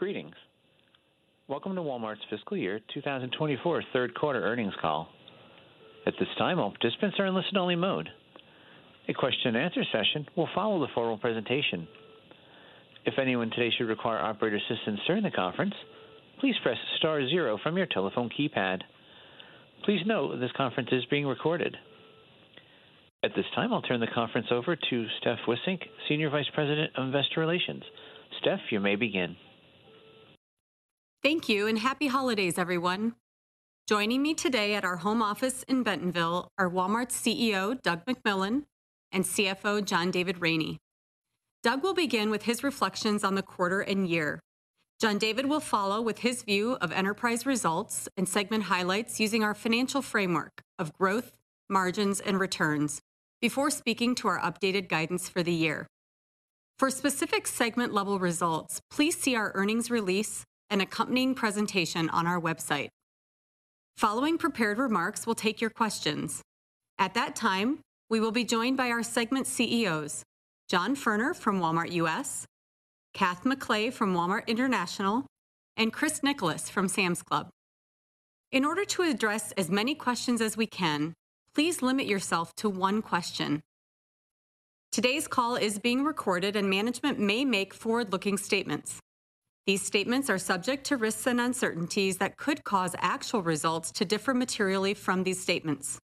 Greetings! Welcome to Walmart's Fiscal Year 2024 third quarter earnings call. At this time, all participants are in listen-only mode. A question and answer session will follow the formal presentation. If anyone today should require operator assistance during the conference, please press star zero from your telephone keypad. Please note, this conference is being recorded. At this time, I'll turn the conference over to Steph Wissink, Senior Vice President of Investor Relations. Steph, you may begin. Thank you, and happy holidays, everyone. Joining me today at our home office in Bentonville are Walmart's CEO, Doug McMillon, and CFO, John David Rainey. Doug will begin with his reflections on the quarter and year. John David will follow with his view of enterprise results and segment highlights using our financial framework of growth, margins, and returns before speaking to our updated guidance for the year. For specific segment-level results, please see our earnings release and accompanying presentation on our website. Following prepared remarks, we'll take your questions. At that time, we will be joined by our segment CEOs, John Furner from Walmart U.S., Kath McLay from Walmart International, and Chris Nicholas from Sam's Club. In order to address as many questions as we can, please limit yourself to one question. Today's call is being recorded, and management may make forward-looking statements. These statements are subject to risks and uncertainties that could cause actual results to differ materially from these statements.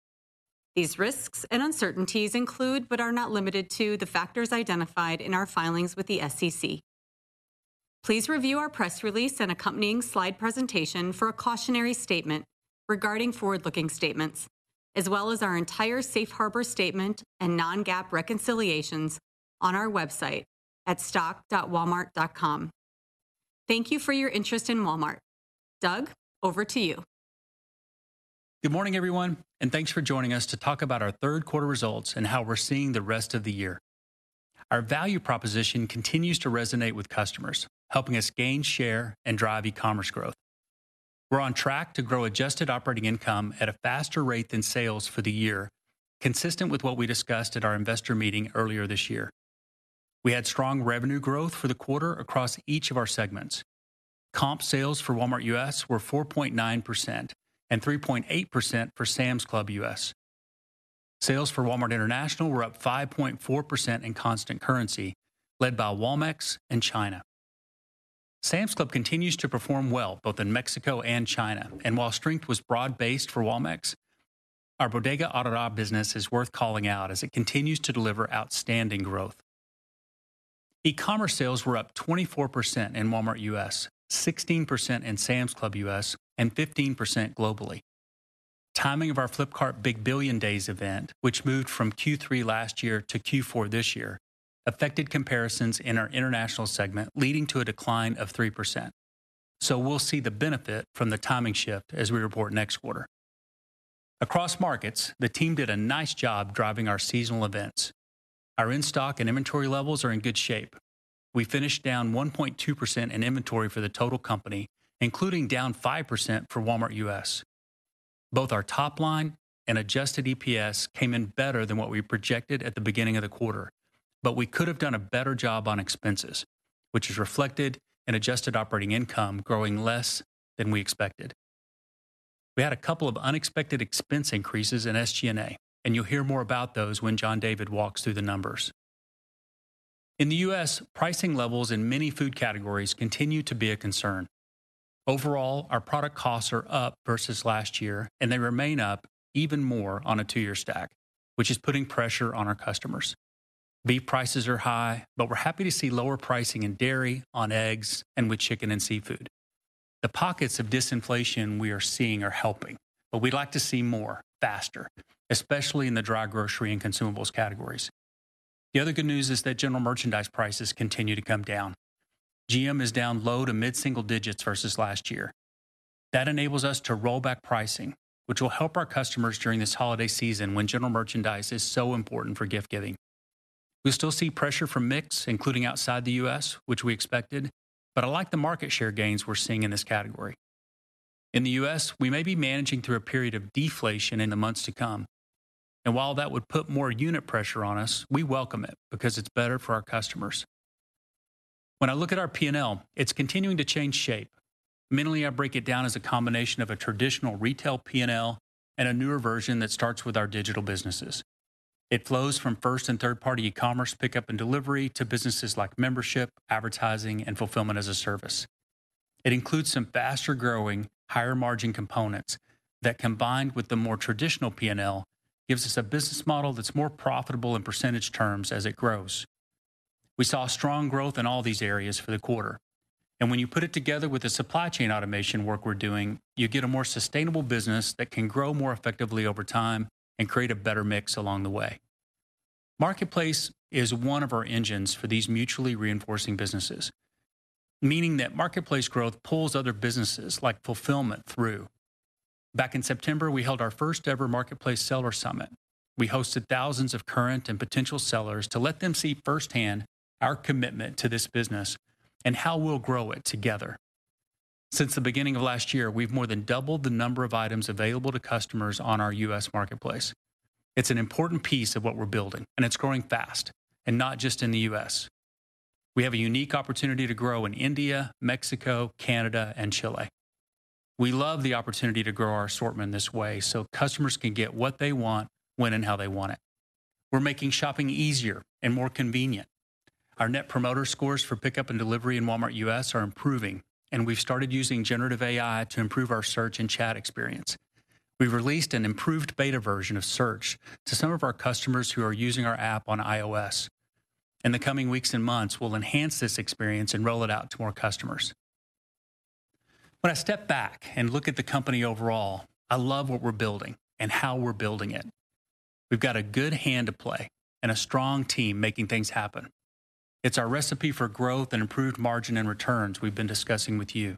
These risks and uncertainties include, but are not limited to, the factors identified in our filings with the SEC. Please review our press release and accompanying slide presentation for a cautionary statement regarding forward-looking statements, as well as our entire safe harbor statement and non-GAAP reconciliations on our website at stock.walmart.com. Thank you for your interest in Walmart. Doug, over to you. Good morning, everyone, and thanks for joining us to talk about our third quarter results and how we're seeing the rest of the year. Our value proposition continues to resonate with customers, helping us gain share and drive e-commerce growth. We're on track to grow adjusted operating income at a faster rate than sales for the year, consistent with what we discussed at our investor meeting earlier this year. We had strong revenue growth for the quarter across each of our segments. Comp sales for Walmart U.S. were 4.9% and 3.8% for Sam's Club U.S. Sales for Walmart International were up 5.4% in constant currency, led by Walmex and China. Sam's Club continues to perform well, both in Mexico and China, and while strength was broad-based for Walmex, our Bodega Aurrera business is worth calling out as it continues to deliver outstanding growth. E-commerce sales were up 24% in Walmart U.S., 16% in Sam's Club U.S., and 15% globally. Timing of our Flipkart Big Billion Days event, which moved from Q3 last year to Q4 this year, affected comparisons in our international segment, leading to a decline of 3%. So we'll see the benefit from the timing shift as we report next quarter. Across markets, the team did a nice job driving our seasonal events. Our in-stock and inventory levels are in good shape. We finished down 1.2% in inventory for the total company, including down 5% for Walmart U.S. Both our top line and adjusted EPS came in better than what we projected at the beginning of the quarter, but we could have done a better job on expenses, which is reflected in adjusted operating income growing less than we expected. We had a couple of unexpected expense increases in SG&A, and you'll hear more about those when John David walks through the numbers. In the U.S., pricing levels in many food categories continue to be a concern. Overall, our product costs are up versus last year, and they remain up even more on a two-year stack, which is putting pressure on our customers. Beef prices are high, but we're happy to see lower pricing in dairy, on eggs, and with chicken and seafood. The pockets of disinflation we are seeing are helping, but we'd like to see more, faster, especially in the dry grocery and consumables categories. The other good news is that general merchandise prices continue to come down. GM is down low to mid-single digits versus last year. That enables us to roll back pricing, which will help our customers during this holiday season when general merchandise is so important for gift-giving. We still see pressure from mix, including outside the U.S., which we expected, but I like the market share gains we're seeing in this category. In the U.S., we may be managing through a period of deflation in the months to come, and while that would put more unit pressure on us, we welcome it because it's better for our customers. When I look at our P&L, it's continuing to change shape. Mentally, I break it down as a combination of a traditional retail P&L and a newer version that starts with our digital businesses. It flows from first and third-party e-commerce pickup and delivery to businesses like membership, advertising, and fulfillment as a service. It includes some faster-growing, higher-margin components that, combined with the more traditional P&L, gives us a business model that's more profitable in percentage terms as it grows. We saw strong growth in all these areas for the quarter, and when you put it together with the supply chain automation work we're doing, you get a more sustainable business that can grow more effectively over time and create a better mix along the way. Marketplace is one of our engines for these mutually reinforcing businesses, meaning that Marketplace growth pulls other businesses, like Fulfillment, through. Back in September, we held our first-ever Marketplace Seller Summit. We hosted thousands of current and potential sellers to let them see firsthand our commitment to this business and how we'll grow it together.... Since the beginning of last year, we've more than doubled the number of items available to customers on our U.S. Marketplace. It's an important piece of what we're building, and it's growing fast, and not just in the U.S. We have a unique opportunity to grow in India, Mexico, Canada, and Chile. We love the opportunity to grow our assortment in this way, so customers can get what they want, when and how they want it. We're making shopping easier and more convenient. Our Net Promoter Scores for pickup and delivery in Walmart U.S. are improving, and we've started using Generative AI to improve our search and chat experience. We've released an improved beta version of Search to some of our customers who are using our app on iOS. In the coming weeks and months, we'll enhance this experience and roll it out to more customers. When I step back and look at the company overall, I love what we're building and how we're building it. We've got a good hand to play and a strong team making things happen. It's our recipe for growth and improved margin and returns we've been discussing with you.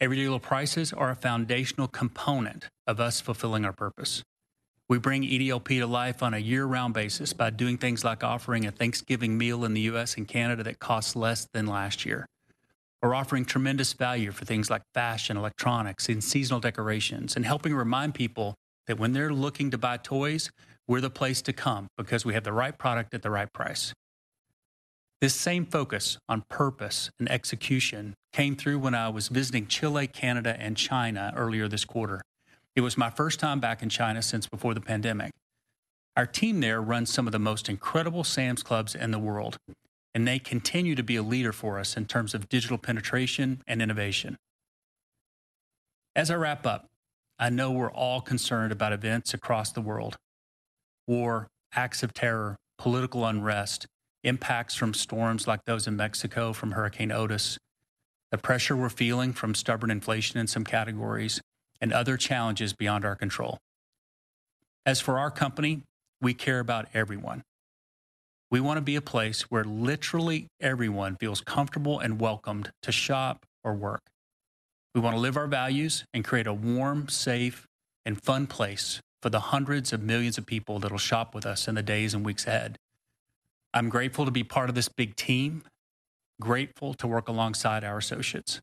Everyday Low Prices are a foundational component of us fulfilling our purpose. We bring EDLP to life on a year-round basis by doing things like offering a Thanksgiving meal in the U.S. and Canada that costs less than last year. We're offering tremendous value for things like fashion, electronics, and seasonal decorations, and helping remind people that when they're looking to buy toys, we're the place to come because we have the right product at the right price. This same focus on purpose and execution came through when I was visiting Chile, Canada, and China earlier this quarter. It was my first time back in China since before the pandemic. Our team there runs some of the most incredible Sam's Clubs in the world, and they continue to be a leader for us in terms of digital penetration and innovation. As I wrap up, I know we're all concerned about events across the world: war, acts of terror, political unrest, impacts from storms like those in Mexico from Hurricane Otis, the pressure we're feeling from stubborn inflation in some categories, and other challenges beyond our control. As for our company, we care about everyone. We wanna be a place where literally everyone feels comfortable and welcomed to shop or work. We wanna live our values and create a warm, safe, and fun place for the hundreds of millions of people that'll shop with us in the days and weeks ahead. I'm grateful to be part of this big team, grateful to work alongside our associates.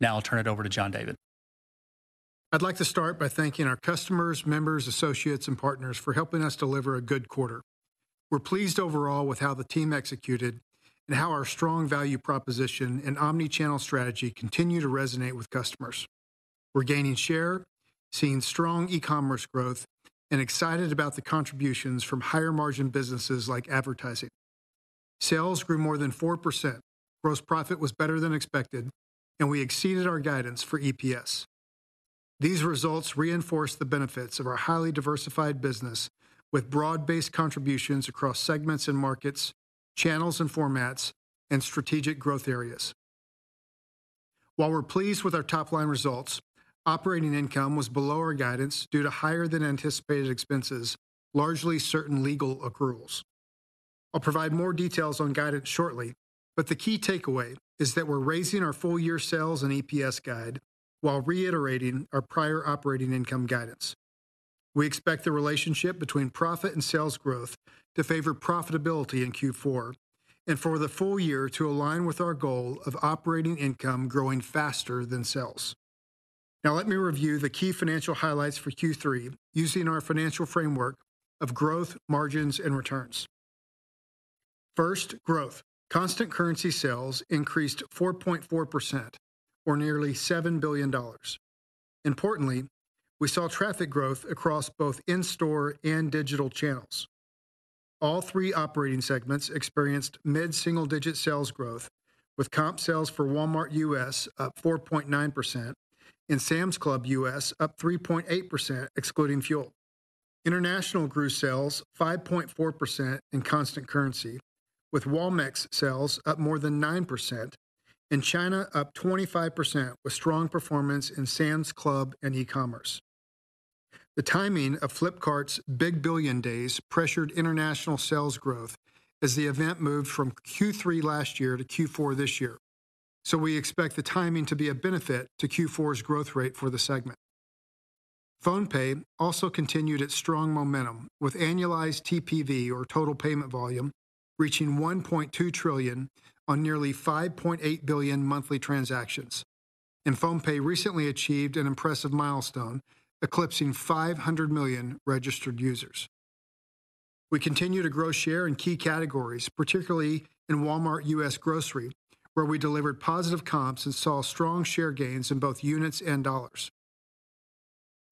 Now, I'll turn it over to John David. I'd like to start by thanking our customers, members, associates, and partners for helping us deliver a good quarter. We're pleased overall with how the team executed and how our strong value proposition and omnichannel strategy continue to resonate with customers. We're gaining share, seeing strong e-commerce growth, and excited about the contributions from higher-margin businesses like advertising. Sales grew more than 4% gross profit was better than expected, and we exceeded our guidance for EPS. These results reinforce the benefits of our highly diversified business with broad-based contributions across segments and markets, channels and formats, and strategic growth areas. While we're pleased with our top-line results, operating income was below our guidance due to higher-than-anticipated expenses, largely certain legal accruals. I'll provide more details on guidance shortly, but the key takeaway is that we're raising our full-year sales and EPS guide while reiterating our prior operating income guidance. We expect the relationship between profit and sales growth to favor profitability in Q4, and for the full year to align with our goal of operating income growing faster than sales. Now, let me review the key financial highlights for Q3 using our financial framework of growth, margins, and returns. First, growth. Constant currency sales increased 4.4%, or nearly $7 billion. Importantly, we saw traffic growth across both in-store and digital channels. All three operating segments experienced mid-single-digit sales growth, with comp sales for Walmart U.S. up 4.9% and Sam's Club U.S. up 3.8%, excluding fuel. International grew sales 5.4% in constant currency, with Walmex sales up more than 9%, and China up 25%, with strong performance in Sam's Club and e-commerce. The timing of Flipkart's Big Billion Days pressured international sales growth as the event moved from Q3 last year to Q4 this year. We expect the timing to be a benefit to Q4's growth rate for the segment. PhonePe also continued its strong momentum, with annualized TPV, or Total Payment Volume, reaching $1.2 trillion on nearly 5.8 billion monthly transactions. PhonePe recently achieved an impressive milestone, eclipsing 500 million registered users. We continue to grow share in key categories, particularly in Walmart U.S. grocery, where we delivered positive comps and saw strong share gains in both units and dollars.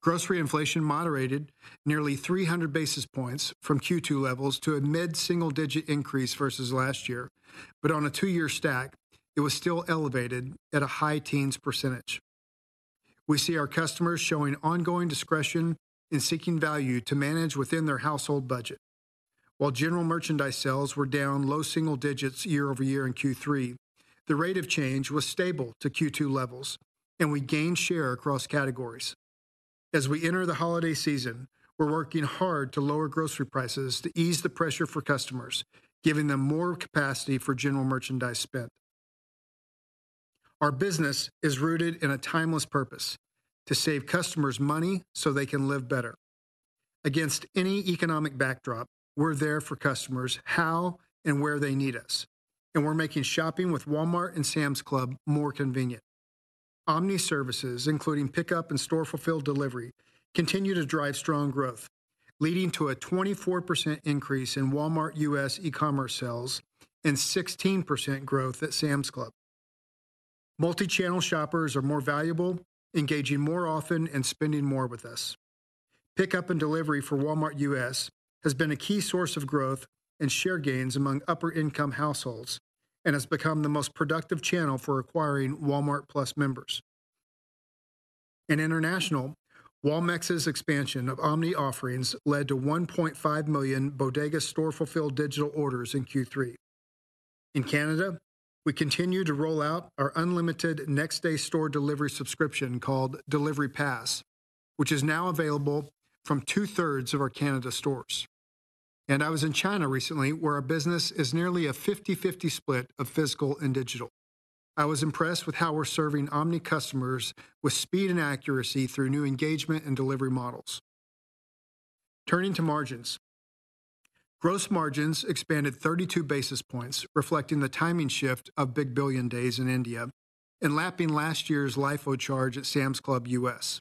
Grocery inflation moderated nearly 300 basis points from Q2 levels to a mid-single-digit increase versus last year, but on a two-year stack, it was still elevated at a high teens%. We see our customers showing ongoing discretion in seeking value to manage within their household budget. While general merchandise sales were down low single digits year-over-year in Q3, the rate of change was stable to Q2 levels, and we gained share across categories. As we enter the holiday season, we're working hard to lower grocery prices to ease the pressure for customers, giving them more capacity for general merchandise spend. Our business is rooted in a timeless purpose: to save customers money so they can live better. Against any economic backdrop, we're there for customers, how and where they need us, and we're making shopping with Walmart and Sam's Club more convenient. Omni services, including pickup and store-fulfilled delivery, continue to drive strong growth, leading to a 24% increase in Walmart U.S. e-commerce sales and 16% growth at Sam's Club. Multi-channel shoppers are more valuable, engaging more often and spending more with us. Pickup and delivery for Walmart U.S. has been a key source of growth and share gains among upper-income households and has become the most productive channel for acquiring Walmart+ members. In international, Walmex's expansion of omni offerings led to 1.5 million Bodega store-fulfilled digital orders in Q3. In Canada, we continue to roll out our unlimited next-day store delivery subscription called Delivery Pass, which is now available from 2/3 of our Canada stores. And I was in China recently, where our business is nearly a 50/50 split of physical and digital. I was impressed with how we're serving omni customers with speed and accuracy through new engagement and delivery models. Turning to margins. Gross margins expanded 32 basis points, reflecting the timing shift of Big Billion Days in India and lapping last year's LIFO charge at Sam's Club U.S.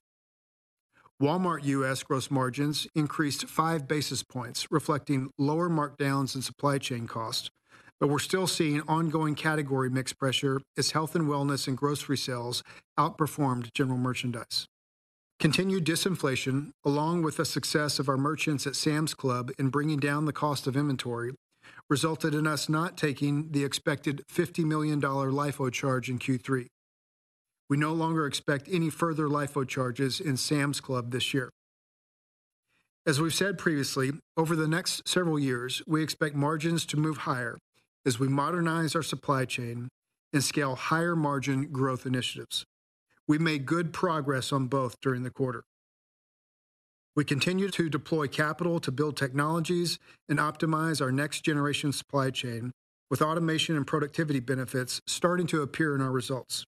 Walmart U.S. gross margins increased 5 basis points, reflecting lower markdowns in supply chain costs, but we're still seeing ongoing category mix pressure as health and wellness and grocery sales outperformed general merchandise. Continued disinflation, along with the success of our merchants at Sam's Club in bringing down the cost of inventory, resulted in us not taking the expected $50 million LIFO charge in Q3. We no longer expect any further LIFO charges in Sam's Club this year. As we've said previously, over the next several years, we expect margins to move higher as we modernize our supply chain and scale higher-margin growth initiatives. We made good progress on both during the quarter. We continue to deploy capital to build technologies and optimize our next-generation supply chain, with automation and productivity benefits starting to appear in our results.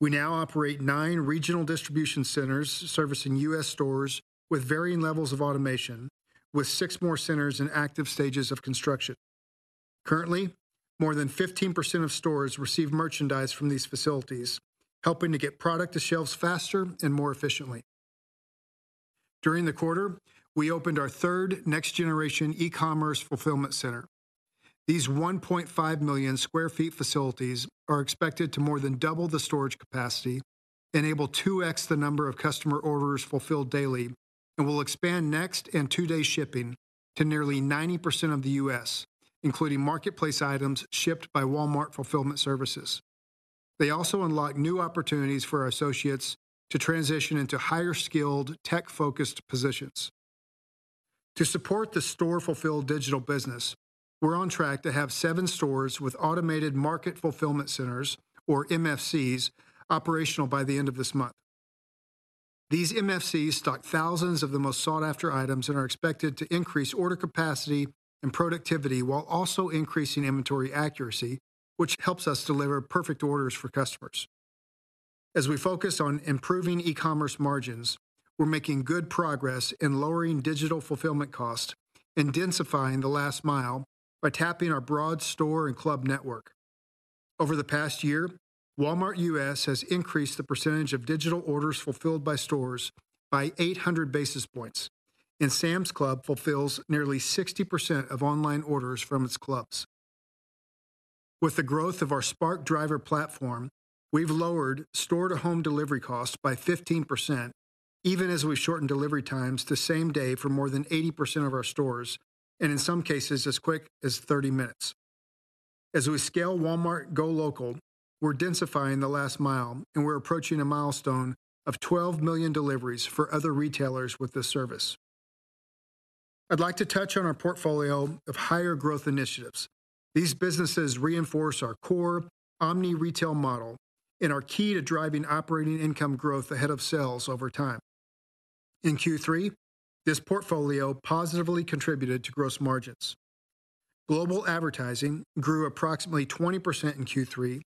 We now operate nine regional distribution centers servicing U.S. stores with varying levels of automation, with six more centers in active stages of construction. Currently, more than 15% of stores receive merchandise from these facilities, helping to get product to shelves faster and more efficiently. During the quarter, we opened our third next-generation e-commerce fulfillment center. These 1.5 million sq ft facilities are expected to more than double the storage capacity, enable 2x the number of customer orders fulfilled daily, and will expand next and two-day shipping to nearly 90% of the U.S., including Marketplace items shipped by Walmart Fulfillment Services. They also unlock new opportunities for our associates to transition into higher-skilled, tech-focused positions. To support the store-fulfilled digital business, we're on track to have seven stores with automated Market Fulfillment Centers, or MFCs, operational by the end of this month. These MFCs stock thousands of the most sought-after items and are expected to increase order capacity and productivity, while also increasing inventory accuracy, which helps us deliver perfect orders for customers. As we focus on improving e-commerce margins, we're making good progress in lowering digital fulfillment costs and densifying the last mile by tapping our broad store and club network. Over the past year, Walmart U.S. has increased the percentage of digital orders fulfilled by stores by 800 basis points, and Sam's Club fulfills nearly 60% of online orders from its clubs. With the growth of our Spark Driver platform, we've lowered store-to-home delivery costs by 15%, even as we've shortened delivery times to same day for more than 80% of our stores, and in some cases, as quick as 30 minutes. As we scale Walmart GoLocal, we're densifying the last mile, and we're approaching a milestone of 12 million deliveries for other retailers with this service. I'd like to touch on our portfolio of higher-growth initiatives. These businesses reinforce our core omni-retail model and are key to driving operating income growth ahead of sales over time. In Q3, this portfolio positively contributed to gross margins. Global advertising grew approximately 20% in Q3,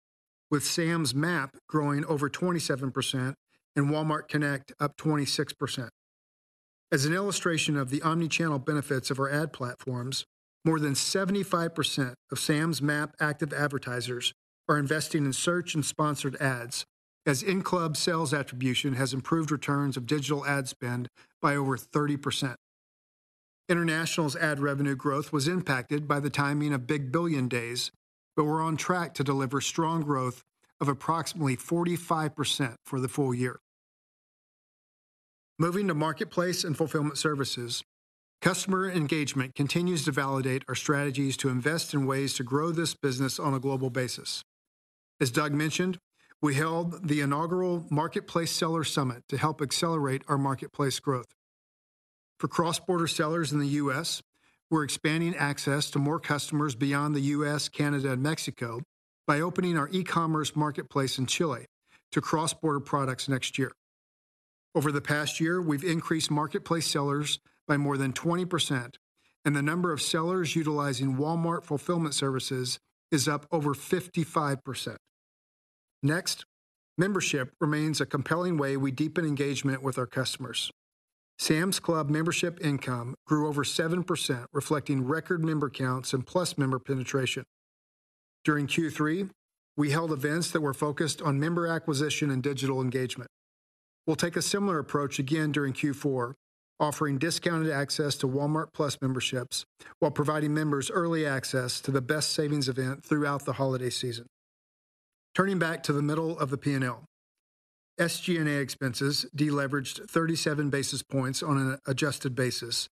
with Sam's MAP growing over 27% and Walmart Connect up 26%. As an illustration of the omnichannel benefits of our ad platforms, more than 75% of Sam's MAP active advertisers are investing in search and sponsored ads, as in-club sales attribution has improved returns of digital ad spend by over 30%. International's ad revenue growth was impacted by the timing of Big Billion Days, but we're on track to deliver strong growth of approximately 45% for the full year. Moving to Marketplace and Fulfillment Services, customer engagement continues to validate our strategies to invest in ways to grow this business on a global basis. As Doug mentioned, we held the inaugural Marketplace Seller Summit to help accelerate our Marketplace growth. For cross-border sellers in the U.S., we're expanding access to more customers beyond the U.S., Canada, and Mexico by opening our e-commerce Marketplace in Chile to cross-border products next year. Over the past year, we've increased Marketplace sellers by more than 20%, and the number of sellers utilizing Walmart Fulfillment Services is up over 55%. Next, membership remains a compelling way we deepen engagement with our customers. Sam's Club membership income grew over 7%, reflecting record member counts and Plus member penetration. During Q3, we held events that were focused on member acquisition and digital engagement. We'll take a similar approach again during Q4, offering discounted access to Walmart+ memberships, while providing members early access to the best savings event throughout the holiday season. Turning back to the middle of the P&L, SG&A expenses deleveraged 37 basis points on an adjusted basis,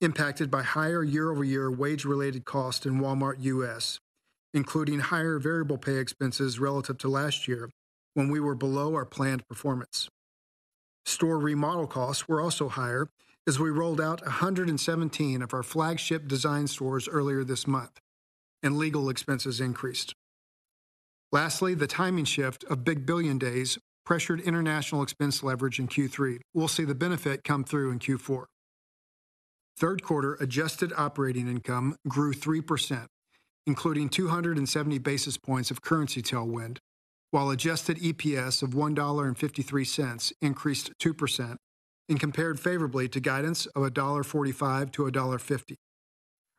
impacted by higher year-over-year wage-related costs in Walmart U.S., including higher variable pay expenses relative to last year, when we were below our planned performance. Store remodel costs were also higher as we rolled out 117 of our flagship design stores earlier this month, and legal expenses increased. Lastly, the timing shift of Big Billion Days pressured international expense leverage in Q3. We'll see the benefit come through in Q4. Third quarter adjusted operating income grew 3%, including 270 basis points of currency tailwind, while adjusted EPS of $1.53 increased 2% and compared favorably to guidance of $1.45-$1.50.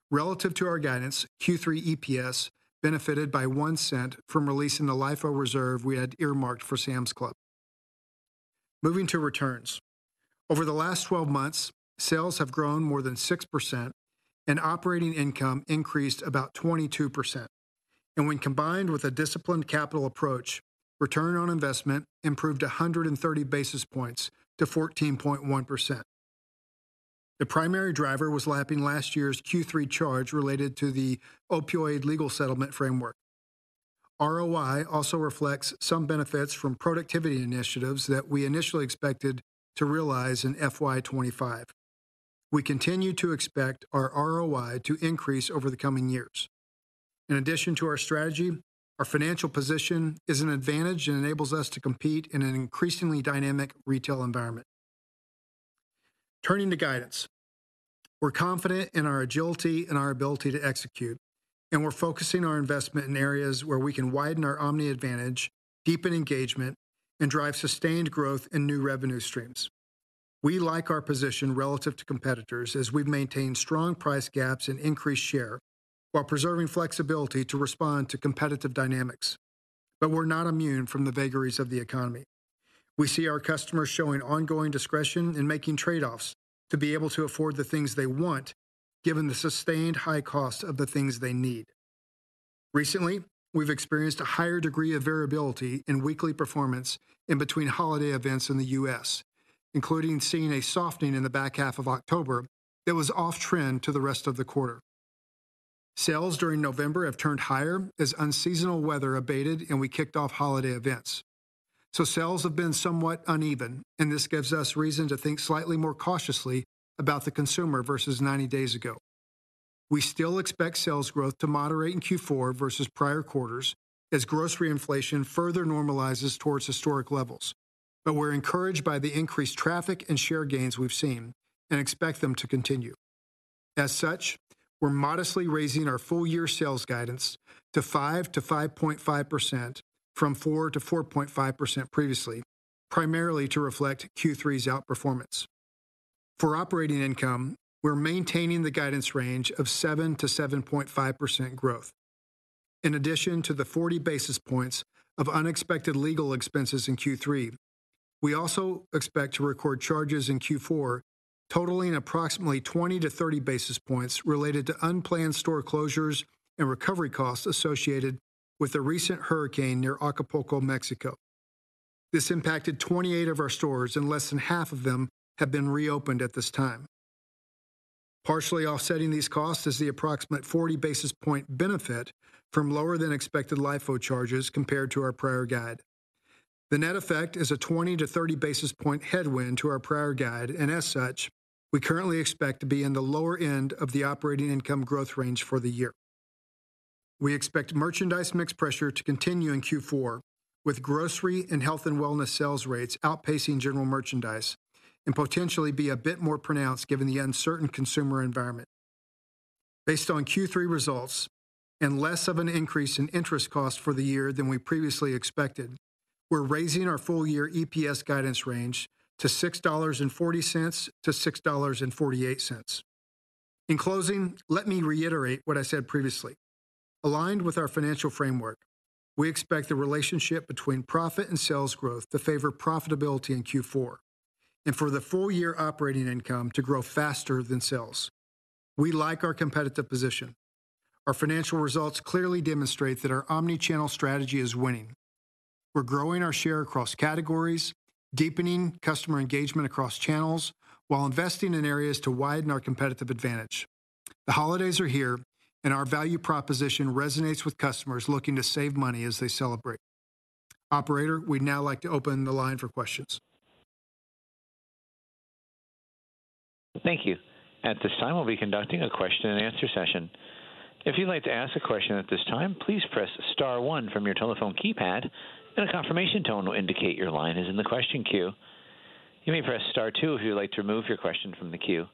Relative to our guidance, Q3 EPS benefited by $0.01 from releasing the LIFO reserve we had earmarked for Sam's Club. Moving to returns. Over the last 12 months, sales have grown more than 6%, and operating income increased about 22%. When combined with a disciplined capital approach, return on investment improved 130 basis points to 14.1%. The primary driver was lapping last year's Q3 charge related to the opioid legal settlement framework. ROI also reflects some benefits from productivity initiatives that we initially expected to realize in FY 2025. We continue to expect our ROI to increase over the coming years. In addition to our strategy, our financial position is an advantage and enables us to compete in an increasingly dynamic retail environment. Turning to guidance. We're confident in our agility and our ability to execute, and we're focusing our investment in areas where we can widen our omni advantage, deepen engagement, and drive sustained growth in new revenue streams. We like our position relative to competitors, as we've maintained strong price gaps and increased share, while preserving flexibility to respond to competitive dynamics. But we're not immune from the vagaries of the economy. We see our customers showing ongoing discretion and making trade-offs to be able to afford the things they want, given the sustained high cost of the things they need. Recently, we've experienced a higher degree of variability in weekly performance in between holiday events in the U.S., including seeing a softening in the back half of October that was off-trend to the rest of the quarter. Sales during November have turned higher as unseasonal weather abated, and we kicked off holiday events. So sales have been somewhat uneven, and this gives us reason to think slightly more cautiously about the consumer versus ninety days ago. We still expect sales growth to moderate in Q4 versus prior quarters, as grocery inflation further normalizes towards historic levels. But we're encouraged by the increased traffic and share gains we've seen and expect them to continue. As such, we're modestly raising our full-year sales guidance to 5%-5.5% from 4%-4.5% previously, primarily to reflect Q3's outperformance. For operating income, we're maintaining the guidance range of 7%-7.5% growth. In addition to the 40 basis points of unexpected legal expenses in Q3, we also expect to record charges in Q4, totaling approximately 20-30 basis points related to unplanned store closures and recovery costs associated with the recent hurricane near Acapulco, Mexico. This impacted 28 of our stores, and less than half of them have been reopened at this time. Partially offsetting these costs is the approximate 40 basis point benefit from lower-than-expected LIFO charges compared to our prior guide. The net effect is a 20-30 basis point headwind to our prior guide, and as such, we currently expect to be in the lower end of the operating income growth range for the year. We expect merchandise mix pressure to continue in Q4, with grocery and health and wellness sales rates outpacing general merchandise and potentially be a bit more pronounced given the uncertain consumer environment. Based on Q3 results and less of an increase in interest costs for the year than we previously expected, we're raising our full-year EPS guidance range to $6.40-$6.48. In closing, let me reiterate what I said previously. Aligned with our financial framework, we expect the relationship between profit and sales growth to favor profitability in Q4, and for the full-year operating income to grow faster than sales. We like our competitive position. Our financial results clearly demonstrate that our omnichannel strategy is winning. We're growing our share across categories, deepening customer engagement across channels, while investing in areas to widen our competitive advantage. The holidays are here, and our value proposition resonates with customers looking to save money as they celebrate. Operator, we'd now like to open the line for questions. Thank you. At this time, we'll be conducting a question-and-answer session. If you'd like to ask a question at this time, please press star one from your telephone keypad, and a confirmation tone will indicate your line is in the question queue. You may press star two if you'd like to remove your question from the queue.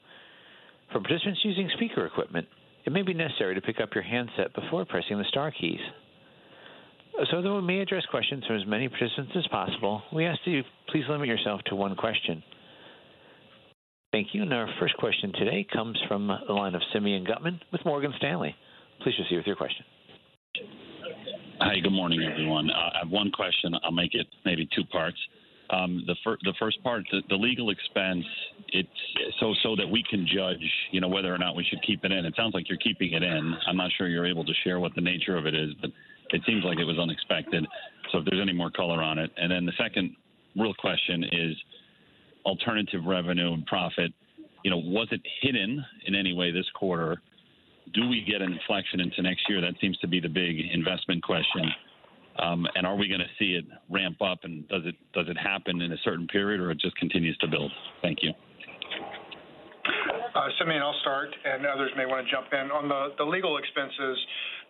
For participants using speaker equipment, it may be necessary to pick up your handset before pressing the star keys. So that we may address questions from as many participants as possible, we ask that you please limit yourself to one question. Thank you. Our first question today comes from the line of Simeon Gutman with Morgan Stanley. Please proceed with your question. Hi, good morning, everyone. I have one question. I'll make it maybe two parts. The first part, the legal expense, it's so that we can judge, you know, whether or not we should keep it in. It sounds like you're keeping it in. I'm not sure you're able to share what the nature of it is, but it seems like it was unexpected. So if there's any more color on it. Then the second real question is alternative revenue and profit. You know, was it hidden in any way this quarter? Do we get an inflection into next year? That seems to be the big investment question. And are we going to see it ramp up, and does it happen in a certain period or it just continues to build? Thank you. Simeon, I'll start, and others may want to jump in. On the legal expenses,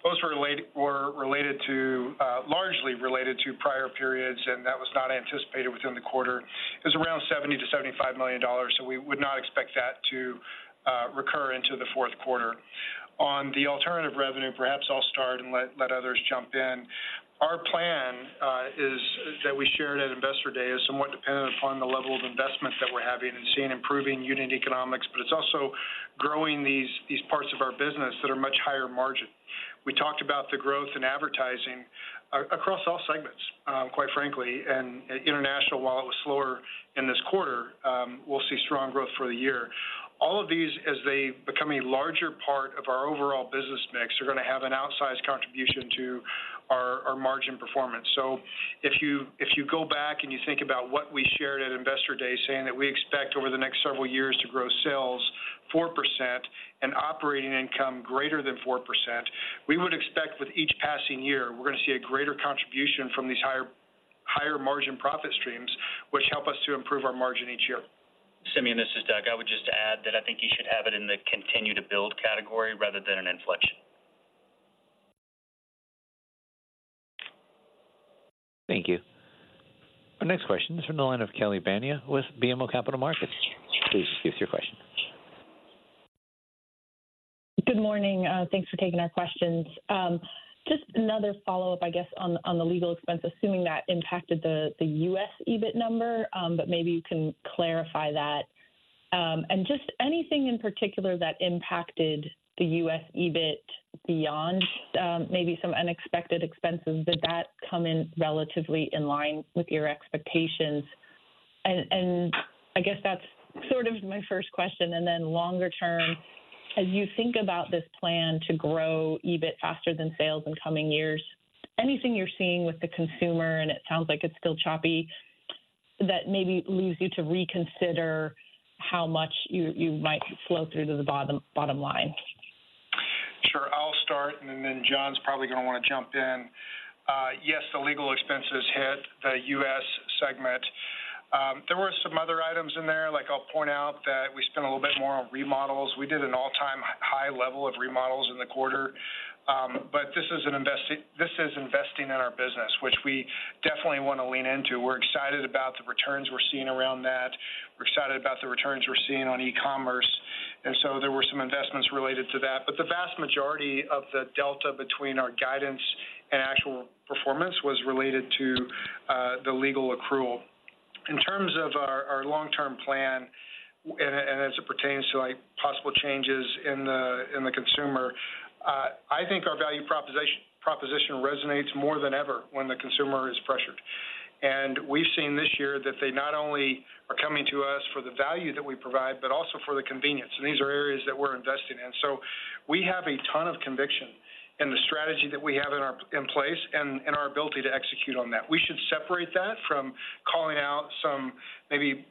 those were related to prior periods, and that was not anticipated within the quarter. It was around $70 million-$75 million, so we would not expect that to recur into the fourth quarter. On the alternative revenue, perhaps I'll start and let others jump in. Our plan that we shared at Investor Day is somewhat dependent upon the level of investment that we're having and seeing improving unit economics, but it's also growing these parts of our business that are much higher margin. We talked about the growth in advertising across all segments, quite frankly, and international, while it was slower in this quarter, we'll see strong growth for the year. All of these, as they become a larger part of our overall business mix, are going to have an outsized contribution to our, our margin performance. So if you, if you go back and you think about what we shared at Investor Day, saying that we expect over the next several years to grow sales 4% and operating income greater than 4%, we would expect with each passing year, we're going to see a greater contribution from these higher, higher margin profit streams, which help us to improve our margin each year. Simeon, this is Doug. I would just add that I think you should have it in the continue-to-build category rather than an inflection. Thank you. Our next question is from the line of Kelly Bania with BMO Capital Markets. Please proceed with your question. Good morning. Thanks for taking our questions. Just another follow-up, I guess, on the legal expense, assuming that impacted the U.S. EBIT number, but maybe you can clarify that. And just anything in particular that impacted the U.S. EBIT beyond maybe some unexpected expenses, did that come in relatively in line with your expectations? And I guess that's sort of my first question, and then longer term, as you think about this plan to grow EBIT faster than sales in coming years, anything you're seeing with the consumer, and it sounds like it's still choppy, that maybe leads you to reconsider how much you might flow through to the bottom line? Sure. I'll start, and then, John's probably going to want to jump in. Yes, the legal expenses hit the U.S. segment. There were some other items in there, like, I'll point out that we spent a little bit more on remodels. We did an all-time high level of remodels in the quarter. But this is investing in our business, which we definitely want to lean into. We're excited about the returns we're seeing around that. We're excited about the returns we're seeing on e-commerce, and so there were some investments related to that. But the vast majority of the delta between our guidance and actual performance was related to the legal accrual. In terms of our long-term plan and as it pertains to, like, possible changes in the consumer, I think our value proposition resonates more than ever when the consumer is pressured. And we've seen this year that they not only are coming to us for the value that we provide, but also for the convenience, and these are areas that we're investing in. So we have a ton of conviction in the strategy that we have in place and in our ability to execute on that. We should separate that from calling out some maybe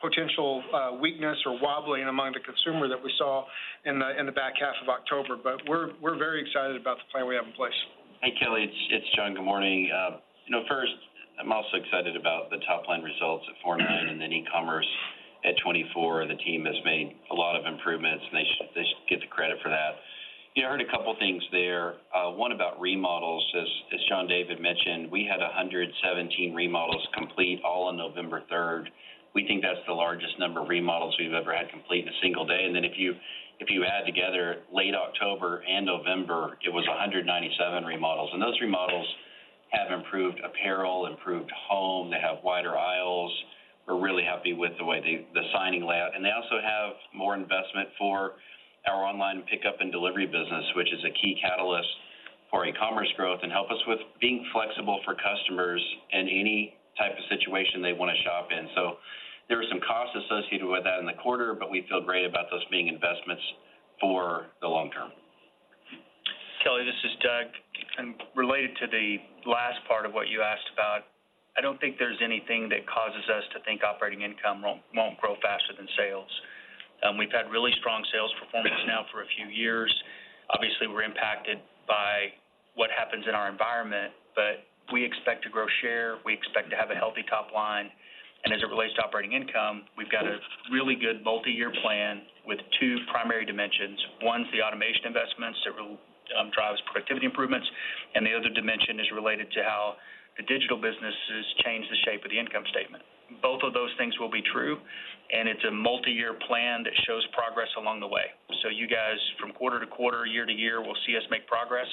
potential weakness or wobbling among the consumer that we saw in the back half of October. But we're very excited about the plan we have in place. Hi, Kelly, it's, it's John. Good morning. You know, first, I'm also excited about the top-line results at 4.9% and then e-commerce at 24%. The team has made a lot of improvements, and they should, they should get the credit for that. You heard a couple things there. One about remodels. As, as John David mentioned, we had 117 remodels complete all on November 3rd. We think that's the largest number of remodels we've ever had complete in a single day. And then if you, if you add together late October and November, it was 197 remodels. And those remodels have improved apparel, improved home. They have wider aisles. We're really happy with the way the, the signing layout. And they also have more investment for our online pickup and delivery business, which is a key catalyst for e-commerce growth and help us with being flexible for customers in any type of situation they want to shop in. So there are some costs associated with that in the quarter, but we feel great about those being investments for the long term. Kelly, this is Doug. And related to the last part of what you asked about, I don't think there's anything that causes us to think operating income won't grow faster than sales. We've had really strong sales performance now for a few years. Obviously, we're impacted by what happens in our environment, but we expect to grow share. We expect to have a healthy top line, and as it relates to operating income, we've got a really good multi-year plan with two primary dimensions. One's the automation investments that will... drive productivity improvements, and the other dimension is related to how the digital businesses change the shape of the income statement. Both of those things will be true, and it's a multi-year plan that shows progress along the way. So you guys, from quarter-to-quarter, year-to-year, will see us make progress.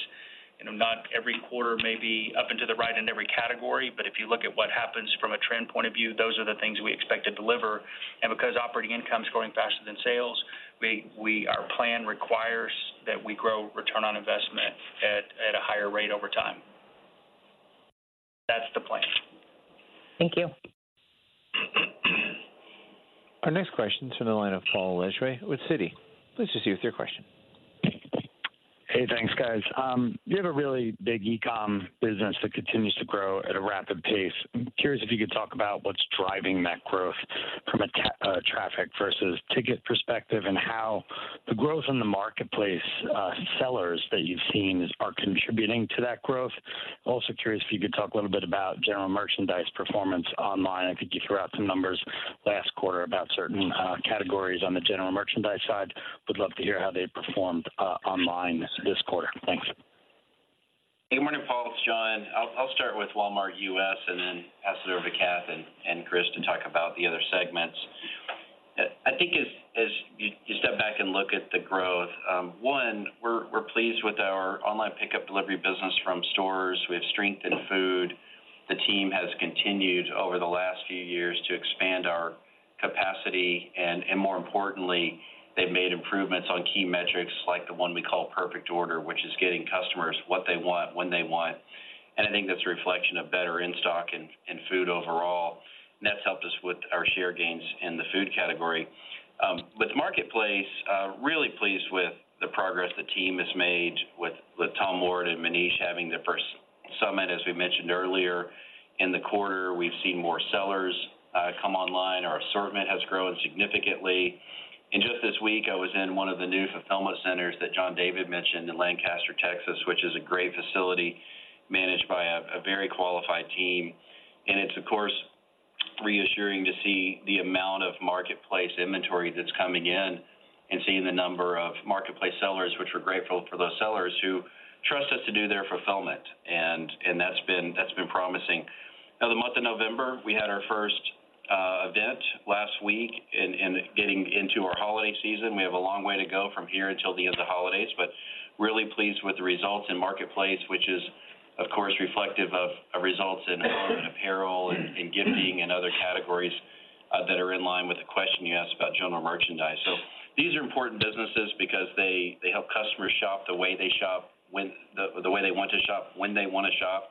And not every quarter may be up into the right in every category, but if you look at what happens from a trend point of view, those are the things we expect to deliver. And because operating income is growing faster than sales, we— Our plan requires that we grow return on investment at a higher rate over time. That's the plan. Thank you. Our next question is from the line of Paul Lejuez with Citi. Please proceed with your question. Hey, thanks, guys. You have a really big e-com business that continues to grow at a rapid pace. I'm curious if you could talk about what's driving that growth from a traffic versus ticket perspective, and how the growth in the Marketplace sellers that you've seen are contributing to that growth. Also curious if you could talk a little bit about general merchandise performance online. I think you threw out some numbers last quarter about certain categories on the general merchandise side. Would love to hear how they performed online this quarter. Thanks. Good morning, Paul, it's John. I'll start with Walmart U.S. and then pass it over to Kath and Chris to talk about the other segments. I think as you step back and look at the growth, one, we're pleased with our online pickup delivery business from stores. We have strength in food. The team has continued over the last few years to expand our capacity, and more importantly, they've made improvements on key metrics like the one we call Perfect Order, which is getting customers what they want, when they want. And I think that's a reflection of better in-stock and food overall. And that's helped us with our share gains in the food category. But the Marketplace, really pleased with the progress the team has made with Tom Ward and Manish having their first summit as we mentioned earlier. In the quarter, we've seen more sellers come online. Our assortment has grown significantly. And just this week, I was in one of the new fulfillment centers that John David mentioned in Lancaster, Texas, which is a great facility managed by a very qualified team. And it's of course reassuring to see the amount of Marketplace inventory that's coming in, and seeing the number of Marketplace sellers, which we're grateful for those sellers who trust us to do their fulfillment, and that's been promising. Now, the month of November, we had our first event last week, and getting into our holiday season, we have a long way to go from here until the end of the holidays, but really pleased with the results in Marketplace, which is, of course, reflective of results in home, and apparel, and gifting, and other categories that are in line with the question you asked about general merchandise. So these are important businesses because they help customers shop the way they shop, when they want to shop the way they want to shop.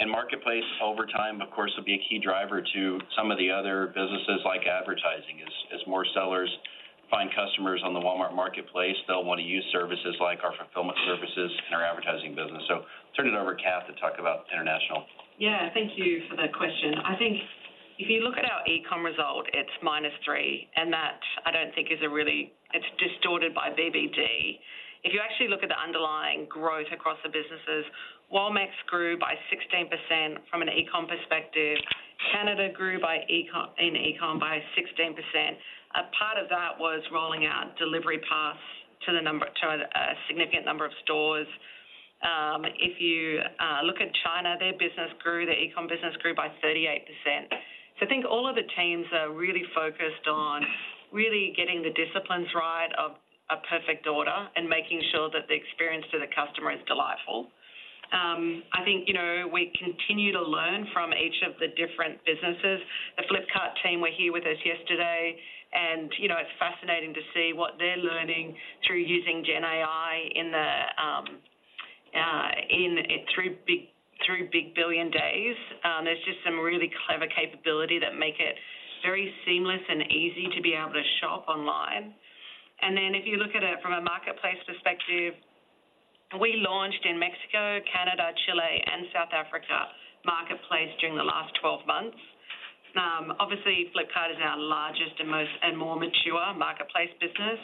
And Marketplace over time, of course, will be a key driver to some of the other businesses like advertising. As more sellers find customers on the Walmart Marketplace, they'll want to use services like our Fulfillment Services and our advertising business. Turn it over to Kath to talk about international. Yeah, thank you for that question. I think if you look at our e-com result, it's -3%, and that I don't think is a really... It's distorted by BBD. If you actually look at the underlying growth across the businesses, Walmex grew by 16% from an e-com perspective. Canada grew by e-com-- in e-com by 16%. A part of that was rolling out Delivery Pass to a significant number of stores. If you look at China, their business grew, their e-com business grew by 38%. So I think all of the teams are really focused on really getting the disciplines right of a perfect order and making sure that the experience to the customer is delightful. I think, you know, we continue to learn from each of the different businesses. The Flipkart team were here with us yesterday, and you know, it's fascinating to see what they're learning through using Gen AI in the Big Billion Days. There's just some really clever capability that make it very seamless and easy to be able to shop online. And then if you look at it from a Marketplace perspective, we launched in Mexico, Canada, Chile, and South Africa, Marketplace during the last 12 months. Obviously, Flipkart is our largest and more mature Marketplace business,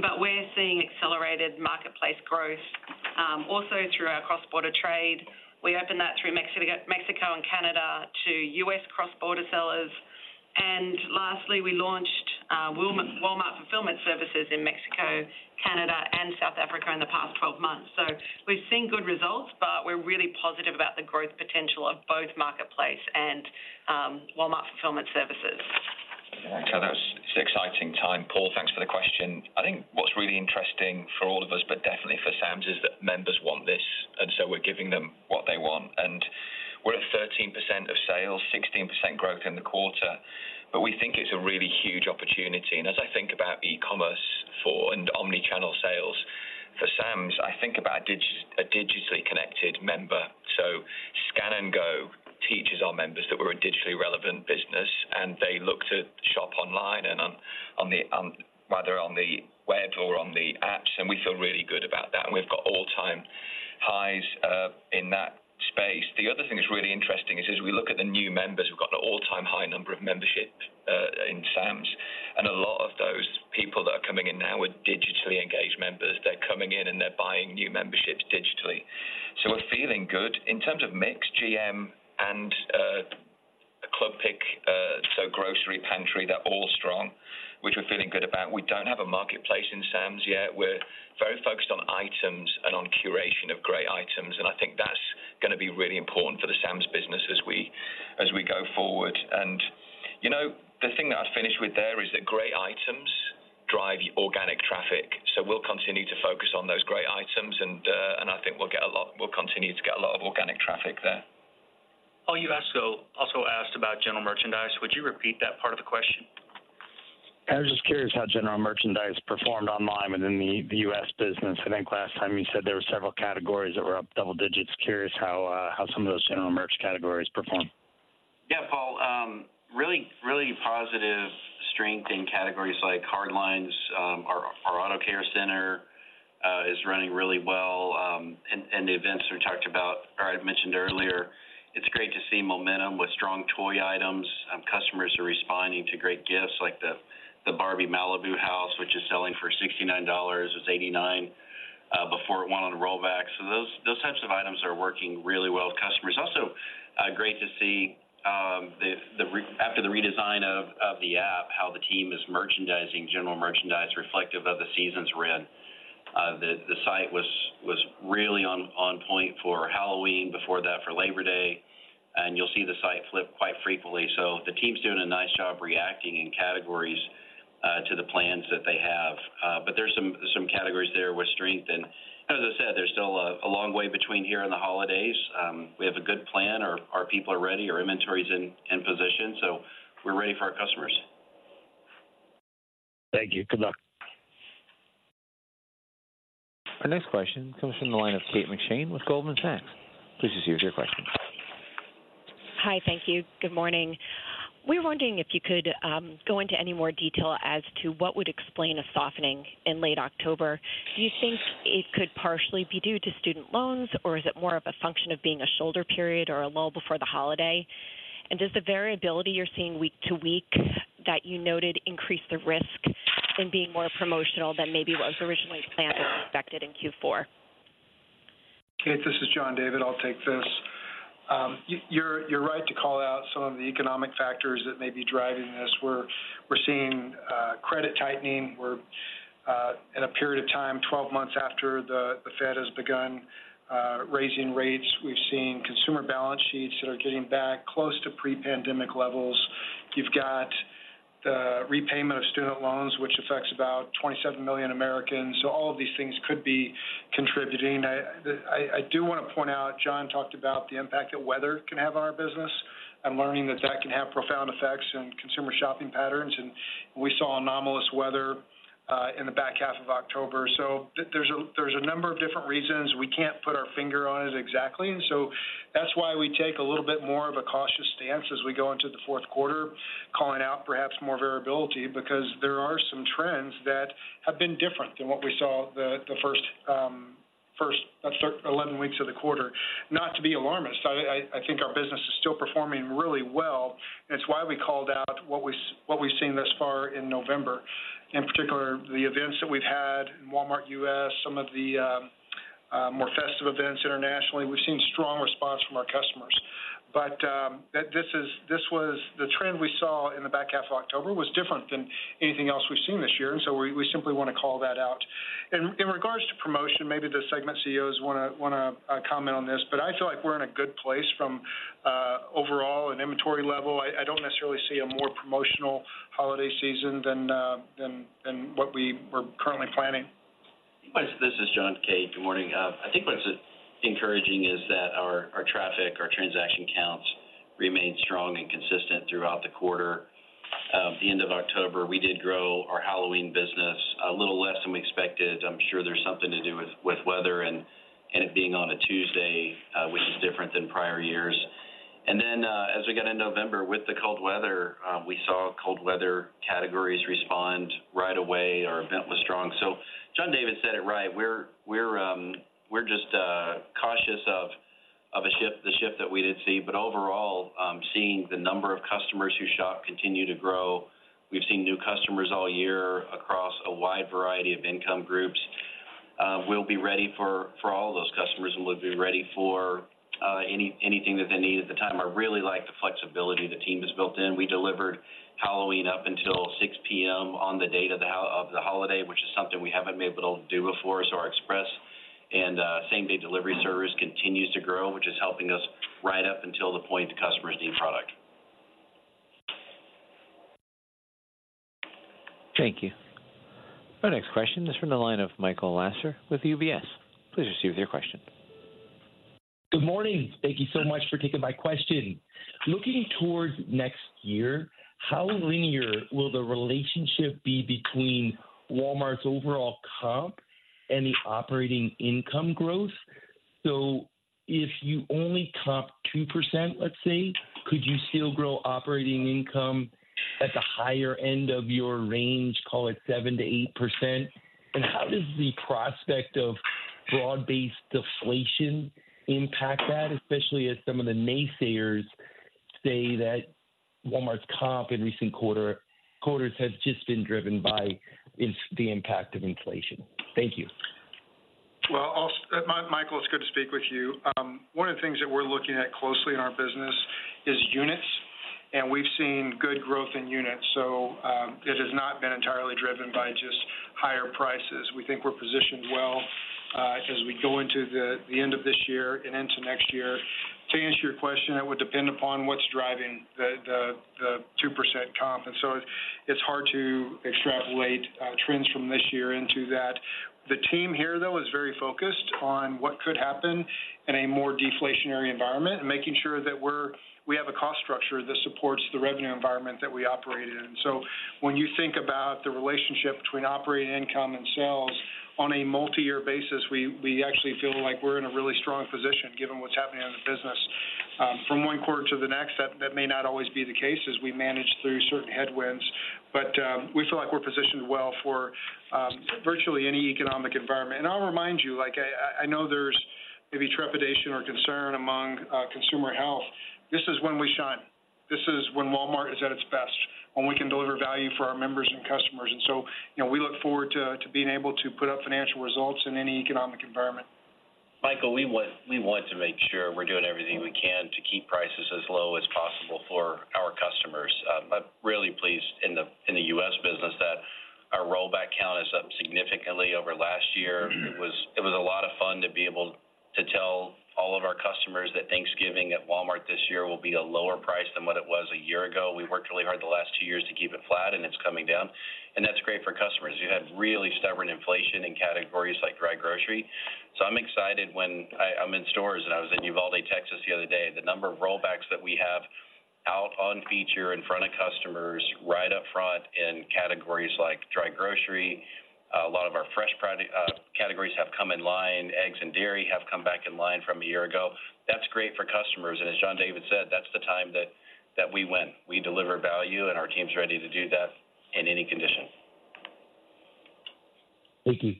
but we're seeing accelerated Marketplace growth, also through our cross-border trade. We opened that through Mexico and Canada to U.S. cross-border sellers. And lastly, we launched Walmart Fulfillment Services in Mexico, Canada, and South Africa in the past 12 months. So we've seen good results, but we're really positive about the growth potential of both Marketplace and Walmart Fulfillment Services. Yeah, that's an exciting time. Paul, thanks for the question. I think what's really interesting for all of us, but definitely for Sam's, is that members want this, and so we're giving them what they want. And we're at 13% of sales, 16% growth in the quarter, but we think it's a really huge opportunity. And as I think about e-commerce for, and omni-channel sales for Sam's, I think about a digitally connected member. So Scan & Go teaches our members that we're a digitally relevant business, and they look to shop online and on, on the, whether on the web or on the apps, and we feel really good about that. And we've got all-time highs in that space. The other thing that's really interesting is, as we look at the new members, we've got an all-time high number of memberships in Sam's, and a lot of those people that are coming in now are digitally engaged members. They're coming in and they're buying new memberships digitally. So we're feeling good. In terms of mix, GM and club pick, so grocery, pantry, they're all strong which we're feeling good about.... We don't have a Marketplace in Sam's yet. We're very focused on items and on curation of great items, and I think that's gonna be really important for the Sam's business as we, as we go forward. And, you know, the thing that I'd finish with there is that great items drive organic traffic, so we'll continue to focus on those great items, and, and I think we'll get a lot—we'll continue to get a lot of organic traffic there. Oh, you also, also asked about general merchandise. Would you repeat that part of the question? I was just curious how general merchandise performed online within the US business. I think last time you said there were several categories that were up double digits. Curious how some of those general merch categories performed. Yeah, Paul, really, really positive strength in categories like hardlines. Our Auto Care Center is running really well, and the events we talked about or I mentioned earlier, it's great to see momentum with strong toy items. Customers are responding to great gifts like the Barbie Malibu House, which is selling for $69. It was $89 before it went on the Rollback. So those types of items are working really well with customers. Also, great to see, after the redesign of the app, how the team is merchandising general merchandise reflective of the seasons we're in. The site was really on point for Halloween, before that, for Labor Day, and you'll see the site flip quite frequently. So the team's doing a nice job reacting in categories to the plans that they have. But there's some categories there with strength. And as I said, there's still a long way between here and the holidays. We have a good plan. Our people are ready, our inventory's in position, so we're ready for our customers. Thank you. Good luck. Our next question comes from the line of Kate McShane with Goldman Sachs. Please proceed with your question. Hi. Thank you. Good morning. We were wondering if you could go into any more detail as to what would explain a softening in late October. Do you think it could partially be due to student loans, or is it more of a function of being a shoulder period or a lull before the holiday? And does the variability you're seeing week to week, that you noted, increase the risk in being more promotional than maybe was originally planned and expected in Q4? Kate, this is John David. I'll take this. You're right to call out some of the economic factors that may be driving this. We're seeing credit tightening. We're in a period of time, 12 months after the Fed has begun raising rates. We've seen consumer balance sheets that are getting back close to pre-pandemic levels. You've got the repayment of student loans, which affects about 27 million Americans. So all of these things could be contributing. I do want to point out, John talked about the impact that weather can have on our business and learning that that can have profound effects on consumer shopping patterns, and we saw anomalous weather in the back half of October. So there's a number of different reasons. We can't put our finger on it exactly, and so that's why we take a little bit more of a cautious stance as we go into the fourth quarter, calling out perhaps more variability, because there are some trends that have been different than what we saw the first 11 weeks of the quarter. Not to be alarmist, I think our business is still performing really well, and it's why we called out what we've seen thus far in November, in particular, the events that we've had in Walmart U.S., some of the more festive events internationally. We've seen strong response from our customers. But this was the trend we saw in the back half of October was different than anything else we've seen this year, and so we simply want to call that out. In regards to promotion, maybe the segment CEOs wanna comment on this, but I feel like we're in a good place from overall and inventory level. I don't necessarily see a more promotional holiday season than what we were currently planning. This is John, Kate. Good morning. I think what's encouraging is that our traffic, our transaction counts remained strong and consistent throughout the quarter. The end of October, we did grow our Halloween business a little less than we expected. I'm sure there's something to do with weather and it being on a Tuesday, which is different than prior years. And then, as we got in November with the cold weather, we saw cold weather categories respond right away. Our event was strong. So John David said it right. We're just cautious of a shift, the shift that we did see. But overall, seeing the number of customers who shop continue to grow. We've seen new customers all year across a wide variety of income groups. We'll be ready for all those customers, and we'll be ready for anything that they need at the time. I really like the flexibility the team has built in. We delivered Halloween up until 6:00 P.M. on the date of the holiday, which is something we haven't been able to do before, so our express and same-day delivery service continues to grow, which is helping us right up until the point customers need product. Thank you. Our next question is from the line of Michael Lasser with UBS. Please receive your question. Good morning. Thank you so much for taking my question. Looking towards next year, how linear will the relationship be between Walmart's overall comp and the operating income growth? So if you only comp 2%, let's say, could you still grow operating income at the higher end of your range, call it 7%-8%? And how does the prospect of broad-based deflation impact that, especially as some of the naysayers say that Walmart's comp in recent quarter, quarters has just been driven by the impact of inflation? Thank you.... Well, Michael, it's good to speak with you. One of the things that we're looking at closely in our business is units, and we've seen good growth in units, so it has not been entirely driven by just higher prices. We think we're positioned well as we go into the end of this year and into next year. To answer your question, it would depend upon what's driving the 2% comp, and so it's hard to extrapolate trends from this year into that. The team here, though, is very focused on what could happen in a more deflationary environment and making sure that we have a cost structure that supports the revenue environment that we operate in. So when you think about the relationship between operating income and sales on a multi-year basis, we actually feel like we're in a really strong position, given what's happening in the business. From one quarter to the next, that may not always be the case as we manage through certain headwinds, but we feel like we're positioned well for virtually any economic environment. And I'll remind you, like, I know there's maybe trepidation or concern among consumer health. This is when we shine. This is when Walmart is at its best, when we can deliver value for our members and customers. And so, you know, we look forward to being able to put up financial results in any economic environment. Michael, we want, we want to make sure we're doing everything we can to keep prices as low as possible for our customers. I'm really pleased in the U.S. business that our Rollback count is up significantly over last year. It was, it was a lot of fun to be able to tell all of our customers that Thanksgiving at Walmart this year will be a lower price than what it was a year ago. We worked really hard the last two years to keep it flat, and it's coming down, and that's great for customers. You had really stubborn inflation in categories like dry grocery. So I'm excited when I'm in stores, and I was in Uvalde, Texas, the other day. The number of Rollbacks that we have out on feature in front of customers, right up front in categories like dry grocery. A lot of our fresh produce categories have come in line. Eggs and dairy have come back in line from a year ago. That's great for customers, and as John David said, "That's the time that, that we win." We deliver value, and our team's ready to do that in any condition. Thank you.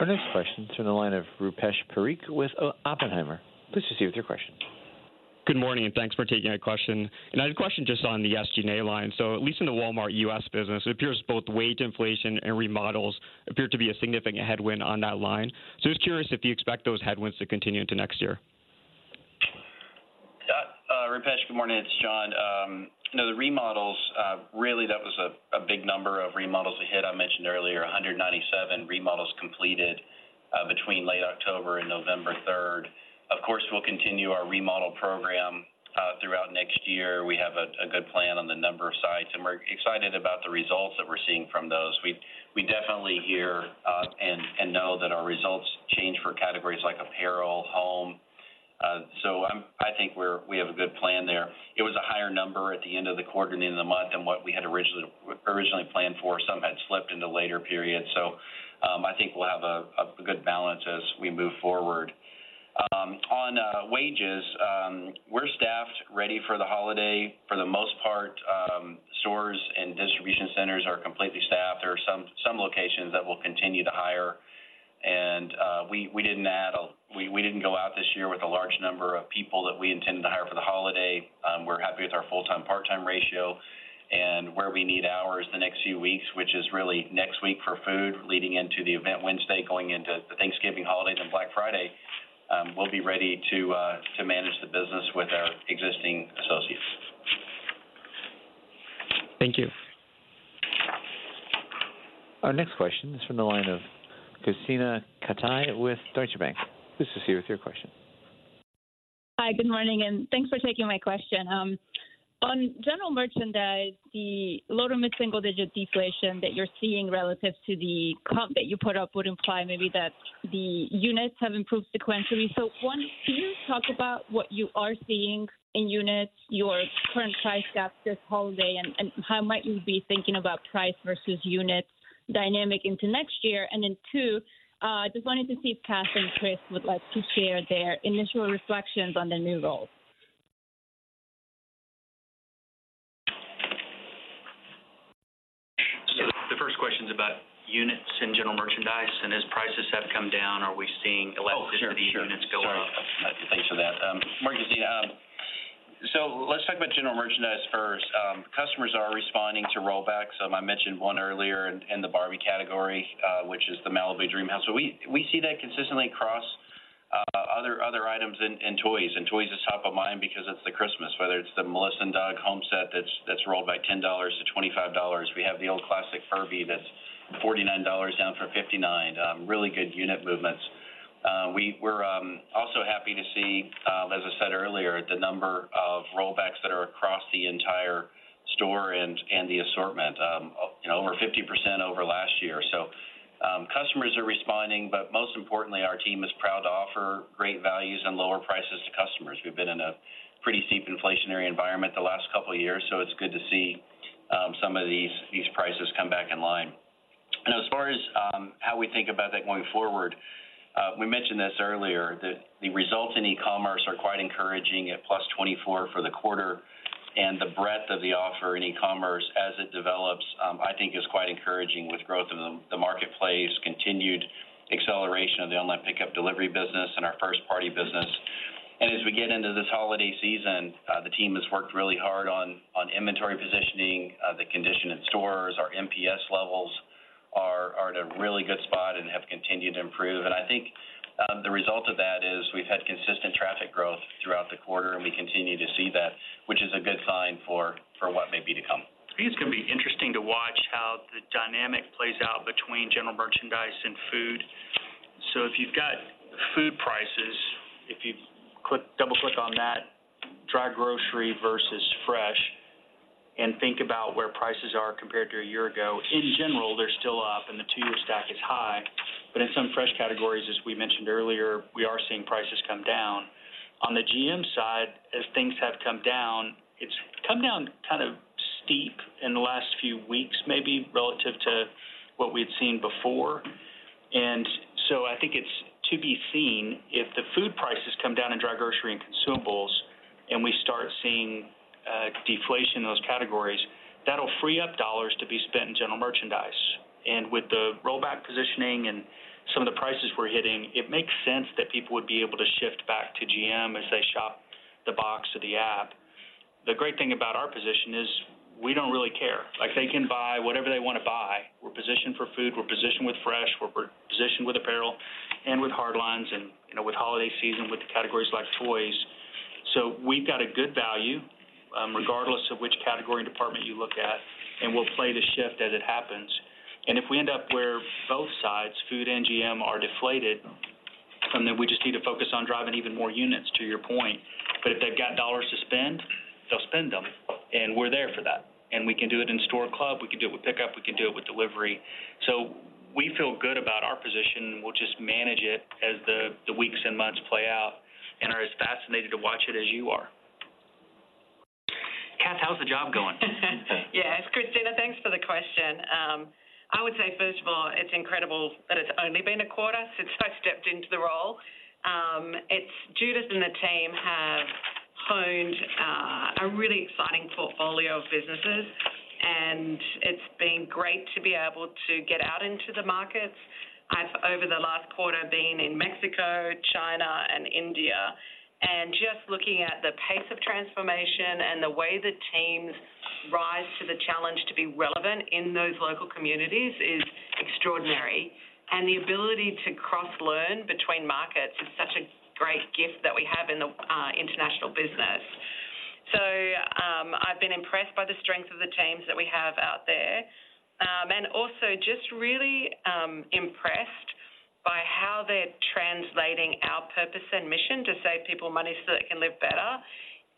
Our next question is from the line of Rupesh Parikh with Oppenheimer. Please proceed with your question. Good morning, and thanks for taking my question. I had a question just on the SG&A line. At least in the Walmart U.S. business, it appears both wage inflation and remodels appear to be a significant headwind on that line. Just curious if you expect those headwinds to continue into next year? Rupesh, good morning, it's John. You know, the remodels really, that was a big number of remodels that hit. I mentioned earlier, 197 remodels completed between late October and November 3rd. Of course, we'll continue our remodel program throughout next year. We have a good plan on the number of sites, and we're excited about the results that we're seeing from those. We definitely hear and know that our results change for categories like apparel, home, so I'm—I think we're. We have a good plan there. It was a higher number at the end of the quarter and the end of the month than what we had originally planned for. Some had slipped into later periods, so I think we'll have a good balance as we move forward. On wages, we're staffed ready for the holiday. For the most part, stores and distribution centers are completely staffed. There are some locations that will continue to hire, and we didn't go out this year with a large number of people that we intended to hire for the holiday. We're happy with our full-time/part-time ratio and where we need hours the next few weeks, which is really next week for food, leading into the event Wednesday, going into the Thanksgiving holidays and Black Friday. We'll be ready to manage the business with our existing associates. Thank you. Our next question is from the line of Krisztina Katai with Deutsche Bank. Please proceed with your question. Hi, good morning, and thanks for taking my question. On general merchandise, the low to mid-single digit deflation that you're seeing relative to the comp that you put up would imply maybe that the units have improved sequentially. So one, can you talk about what you are seeing in units, your current price gap this holiday, and how might you be thinking about price versus units dynamic into next year? And then, two, just wanted to see if Kath and Chris would like to share their initial reflections on the new roles. The first question's about units in general merchandise and as prices have come down, are we seeing elasticity units go up? Oh, sure, sure. Sorry. Thanks for that. Krisztina, so let's talk about general merchandise first. Customers are responding to Rollbacks. I mentioned one earlier in the Barbie category, which is the Malibu Dream House. So we see that consistently across other items in toys, and toys is top of mind because it's the Christmas. Whether it's the Melissa & Doug Home Set, that's rolled by $10 to $25. We have the old classic Furby that's $49, down from $59. Really good unit movements. We're also happy to see, as I said earlier, the number of Rollbacks that are across the entire store and the assortment, you know, over 50 over last year. So, customers are responding, but most importantly, our team is proud to offer great values and lower prices to customers. We've been in a pretty steep inflationary environment the last couple of years, so it's good to see some of these, these prices come back in line. As far as how we think about that going forward, we mentioned this earlier, that the results in e-commerce are quite encouraging at +24% for the quarter, and the breadth of the offer in e-commerce as it develops, I think is quite encouraging. With growth of the Marketplace, continued acceleration of the online pickup delivery business and our first-party business. ...As we get into this holiday season, the team has worked really hard on, on inventory positioning, the condition in stores. Our NPS levels are at a really good spot and have continued to improve. And I think, the result of that is we've had consistent traffic growth throughout the quarter, and we continue to see that, which is a good sign for what may be to come. I think it's gonna be interesting to watch how the dynamic plays out between general merchandise and food. So if you've got food prices, if you click, double-click on that, dry grocery versus fresh, and think about where prices are compared to a year ago, in general, they're still up and the two-year stack is high. But in some fresh categories, as we mentioned earlier, we are seeing prices come down. On the GM side, as things have come down, it's come down kind of steep in the last few weeks, maybe relative to what we'd seen before. And so I think it's to be seen, if the food prices come down in dry grocery and consumables, and we start seeing deflation in those categories, that'll free up dollars to be spent in general merchandise. With the Rollback positioning and some of the prices we're hitting, it makes sense that people would be able to shift back to GM as they shop the box or the app. The great thing about our position is we don't really care. Like, they can buy whatever they want to buy. We're positioned for food, we're positioned with fresh, we're positioned with apparel and with hardlines and, you know, with holiday season, with the categories like toys. So we've got a good value, regardless of which category and department you look at, and we'll play the shift as it happens. And if we end up where both sides, food and GM, are deflated, then we just need to focus on driving even more units, to your point. But if they've got dollars to spend, they'll spend them, and we're there for that. We can do it in store, club, we can do it with pickup, we can do it with delivery. So we feel good about our position, and we'll just manage it as the weeks and months play out, and are as fascinated to watch it as you are. Kath, how's the job going? Yes, Krisztina, thanks for the question. I would say, first of all, it's incredible that it's only been a quarter since I've stepped into the role. It's Judith and the team have honed a really exciting portfolio of businesses, and it's been great to be able to get out into the markets. I've, over the last quarter, been in Mexico, China, and India, and just looking at the pace of transformation and the way the teams rise to the challenge to be relevant in those local communities is extraordinary. And the ability to cross-learn between markets is such a great gift that we have in the international business. So, I've been impressed by the strength of the teams that we have out there, and also just really impressed by how they're translating our purpose and mission to save people money so that they can live better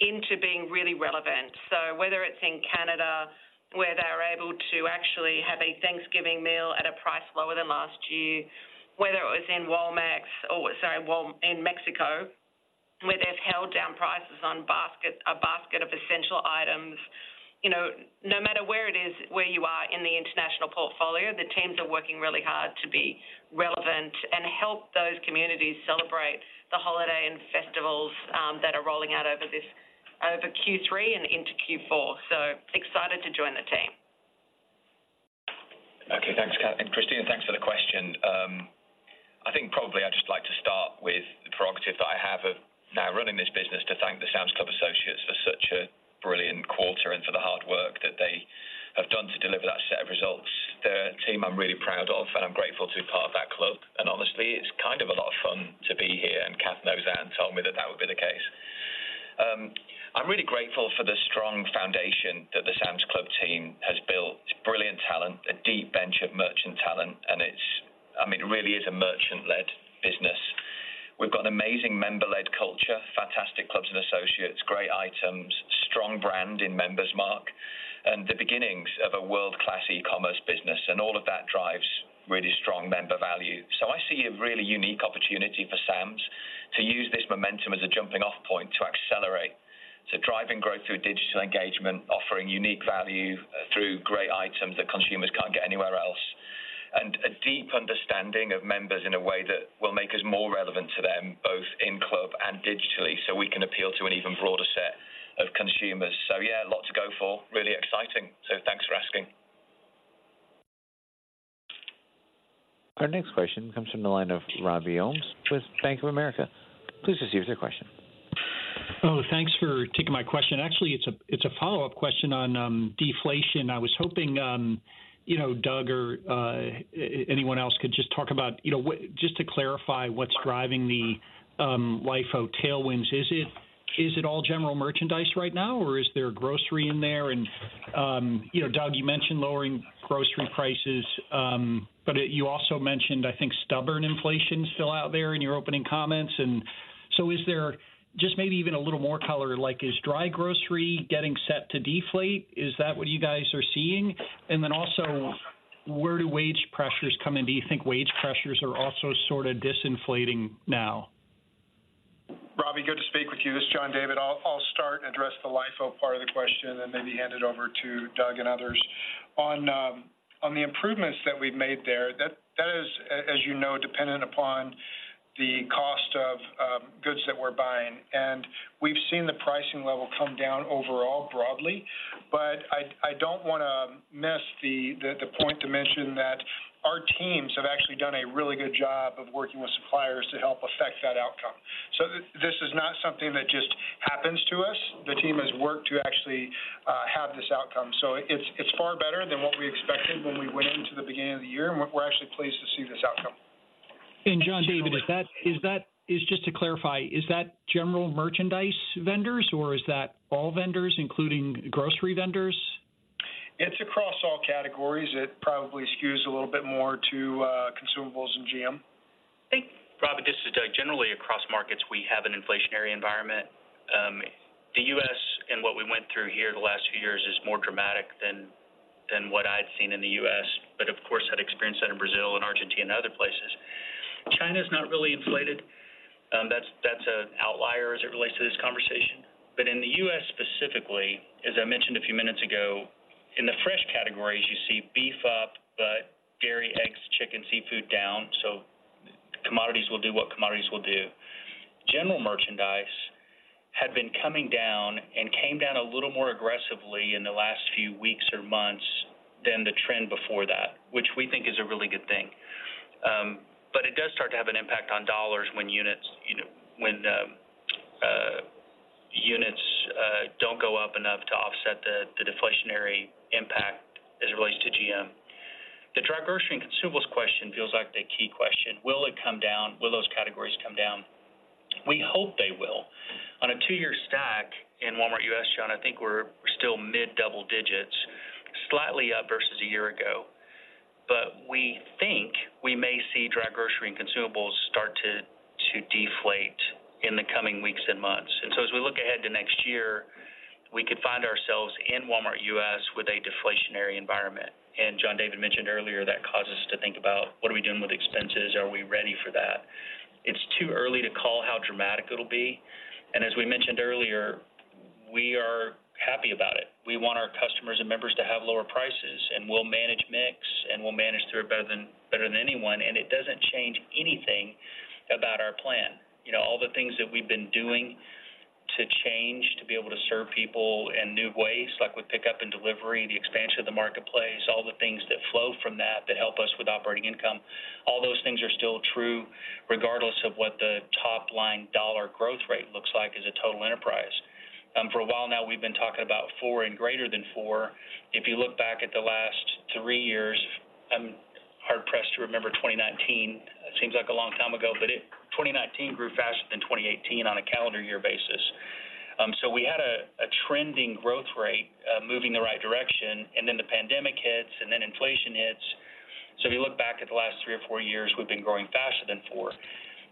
into being really relevant. So whether it's in Canada, where they're able to actually have a Thanksgiving meal at a price lower than last year, whether it was in Walmex in Mexico, where they've held down prices on basket, a basket of essential items. You know, no matter where it is, where you are in the international portfolio, the teams are working really hard to be relevant and help those communities celebrate the holiday and festivals that are rolling out over this, over Q3 and into Q4. So excited to join the team. Okay, thanks, Kath, and Krisztina, thanks for the question. I think probably I'd just like to start with the prerogative that I have of now running this business to thank the Sam's Club associates for such a brilliant quarter and for the hard work that they have done to deliver that set of results. They're a team I'm really proud of, and I'm grateful to be part of that club. And honestly, it's kind of a lot of fun to be here, and Kath knows, and told me that that would be the case. I'm really grateful for the strong foundation that the Sam's Club team has built. It's brilliant talent, a deep bench of merchant talent, and it's... I mean, it really is a merchant-led business. We've got an amazing member-led culture, fantastic clubs and associates, great items, strong brand in Member's Mark, and the beginnings of a world-class e-commerce business, and all of that drives really strong member value. So I see a really unique opportunity for Sam's to use this momentum as a jumping-off point to accelerate. So driving growth through digital engagement, offering unique value through great items that consumers can't get anywhere else, and a deep understanding of members in a way that will make us more relevant to them, both in club and digitally, so we can appeal to an even broader set of consumers. So yeah, a lot to go for. Really exciting. So thanks for asking. Our next question comes from the line of Robbie Ohmes with Bank of America. Please proceed with your question. Oh, thanks for taking my question. Actually, it's a follow-up question on deflation. I was hoping, you know, Doug or anyone else could just talk about, you know, what just to clarify, what's driving the LIFO tailwinds. Is it all general merchandise right now, or is there grocery in there? And, you know, Doug, you mentioned lowering grocery prices, but you also mentioned, I think, stubborn inflation still out there in your opening comments. And so is there just maybe even a little more color, like, is dry grocery getting set to deflate? Is that what you guys are seeing? And then also, where do wage pressures come in? Do you think wage pressures are also sort of disinflating now? Robbie, good to speak with you. This is John David. I'll start and address the LIFO part of the question and then maybe hand it over to Doug and others. On the improvements that we've made there, that is, as you know, dependent upon the cost of goods that we're buying. And we've seen the pricing level come down overall, broadly.... I don't wanna miss the point to mention that our teams have actually done a really good job of working with suppliers to help affect that outcome. So this is not something that just happens to us. The team has worked to actually have this outcome, so it's far better than what we expected when we went into the beginning of the year, and we're actually pleased to see this outcome. John David, is that, just to clarify, is that general merchandise vendors, or is that all vendors, including grocery vendors? It's across all categories. It probably skews a little bit more to consumables and GM. Thank you. Rob, this is Doug. Generally, across markets, we have an inflationary environment. The U.S. and what we went through here the last few years is more dramatic than, than what I'd seen in the U.S., but of course, I'd experienced that in Brazil and Argentina and other places. China's not really inflated. That's, that's an outlier as it relates to this conversation. But in the U.S. specifically, as I mentioned a few minutes ago, in the fresh categories, you see beef up, but dairy, eggs, chicken, seafood down, so commodities will do what commodities will do. General merchandise had been coming down and came down a little more aggressively in the last few weeks or months than the trend before that, which we think is a really good thing. But it does start to have an impact on dollars when units, you know, when units don't go up enough to offset the deflationary impact as it relates to GM. The dry grocery and consumables question feels like the key question: Will it come down? Will those categories come down? We hope they will. On a two-year stack in Walmart U.S., John, I think we're still mid-double digits, slightly up versus a year ago. But we think we may see dry grocery and consumables start to deflate in the coming weeks and months. And so as we look ahead to next year, we could find ourselves in Walmart U.S. with a deflationary environment. And John David mentioned earlier, that causes us to think about what are we doing with expenses? Are we ready for that? It's too early to call how dramatic it'll be, and as we mentioned earlier, we are happy about it. We want our customers and members to have lower prices, and we'll manage mix, and we'll manage through it better than, better than anyone. And it doesn't change anything about our plan. You know, all the things that we've been doing to change, to be able to serve people in new ways, like with pickup and delivery, the expansion of the Marketplace, all the things that flow from that, that help us with operating income, all those things are still true regardless of what the top-line dollar growth rate looks like as a total enterprise. For a while now, we've been talking about 4% and greater than 4%. If you look back at the last three years, I'm hard-pressed to remember 2019. It seems like a long time ago, but 2019 grew faster than 2018 on a calendar year basis. So we had a trending growth rate moving the right direction, and then the pandemic hits, and then inflation hits. So if you look back at the last three or four years, we've been growing faster than 4%.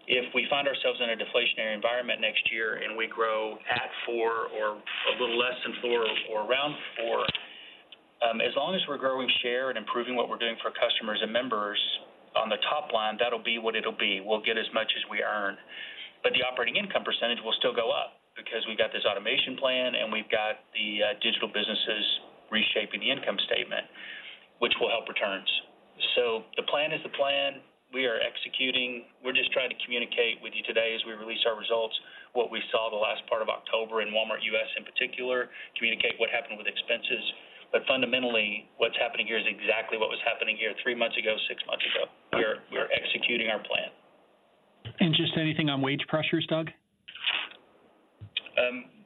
If we find ourselves in a deflationary environment next year, and we grow at 4% or a little less than 4% or around 4%, as long as we're growing share and improving what we're doing for customers and members on the top line, that'll be what it'll be. We'll get as much as we earn. But the operating income percentage will still go up because we've got this automation plan, and we've got the digital businesses reshaping the income statement, which will help returns. The plan is the plan. We are executing. We're just trying to communicate with you today as we release our results, what we saw the last part of October in Walmart U.S., in particular, communicate what happened with expenses. But fundamentally, what's happening here is exactly what was happening here three months ago, six months ago. We're executing our plan. Just anything on wage pressures, Doug?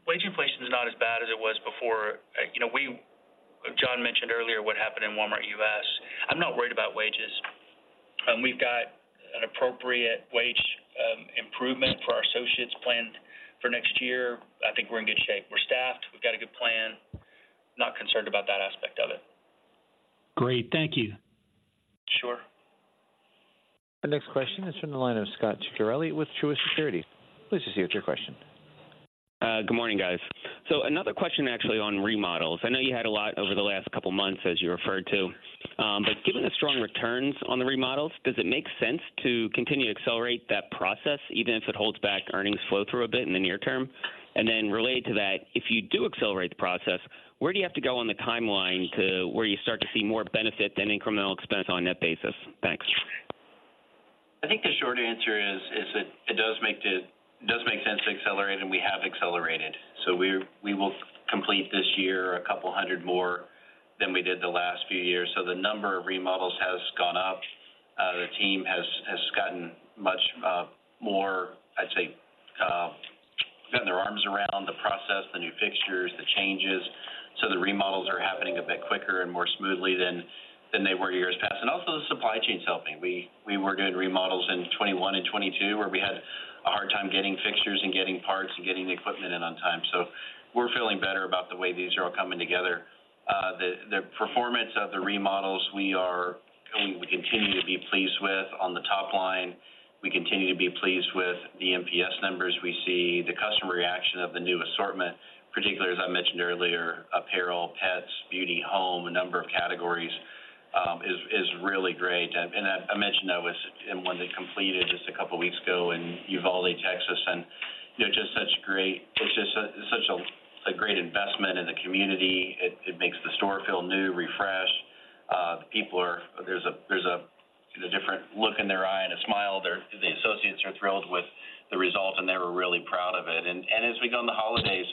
Wage inflation is not as bad as it was before. You know, we, John mentioned earlier what happened in Walmart U.S. I'm not worried about wages. We've got an appropriate wage improvement for our associates planned for next year. I think we're in good shape. We're staffed. We've got a good plan. Not concerned about that aspect of it. Great. Thank you. Sure. The next question is from the line of Scot Ciccarelli with Truist Securities. Please just state your question. Good morning, guys. Another question, actually on remodels. I know you had a lot over the last couple of months, as you referred to, but given the strong returns on the remodels, does it make sense to continue to accelerate that process, even if it holds back earnings flow-through a bit in the near term? And then related to that, if you do accelerate the process, where do you have to go on the timeline to where you start to see more benefit than incremental expense on net basis? Thanks. I think the short answer is that it does make sense to accelerate, and we have accelerated. So we will complete this year 200 more than we did the last few years. So the number of remodels has gone up. The team has gotten much more, I'd say, gotten their arms around the process, the new fixtures, the changes. So the remodels are happening a bit quicker and more smoothly than they were years past. Also, the supply chain's helping. We were doing remodels in 2021 and 2022, where we had a hard time getting fixtures and getting parts and getting the equipment in on time. So we're feeling better about the way these are all coming together. The performance of the remodels, we continue to be pleased with on the top line. We continue to be pleased with the NPS numbers. We see the customer reaction of the new assortment, particularly, as I mentioned earlier, apparel, pets, beauty, home, a number of categories, is really great. And I mentioned I was in one that completed just a couple weeks ago in Uvalde, Texas, and you know, just such great, it's just such a great investment in the community. It makes the store feel new, refreshed. The people are, there's a different look in their eye. And as we go on the holidays,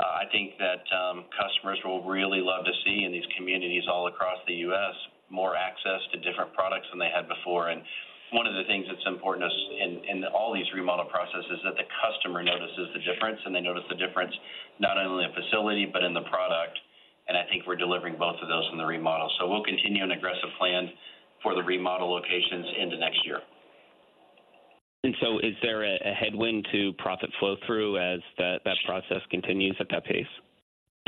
I think that customers will really love to see in these communities all across the U.S., more access to different products than they had before. One of the things that's important to us in all these remodel processes is that the customer notices the difference, and they notice the difference not only in facility, but in the product. And I think we're delivering both of those in the remodel. We'll continue an aggressive plan for the remodel locations into next year. And so is there a headwind to profit flow through as that process continues at that pace?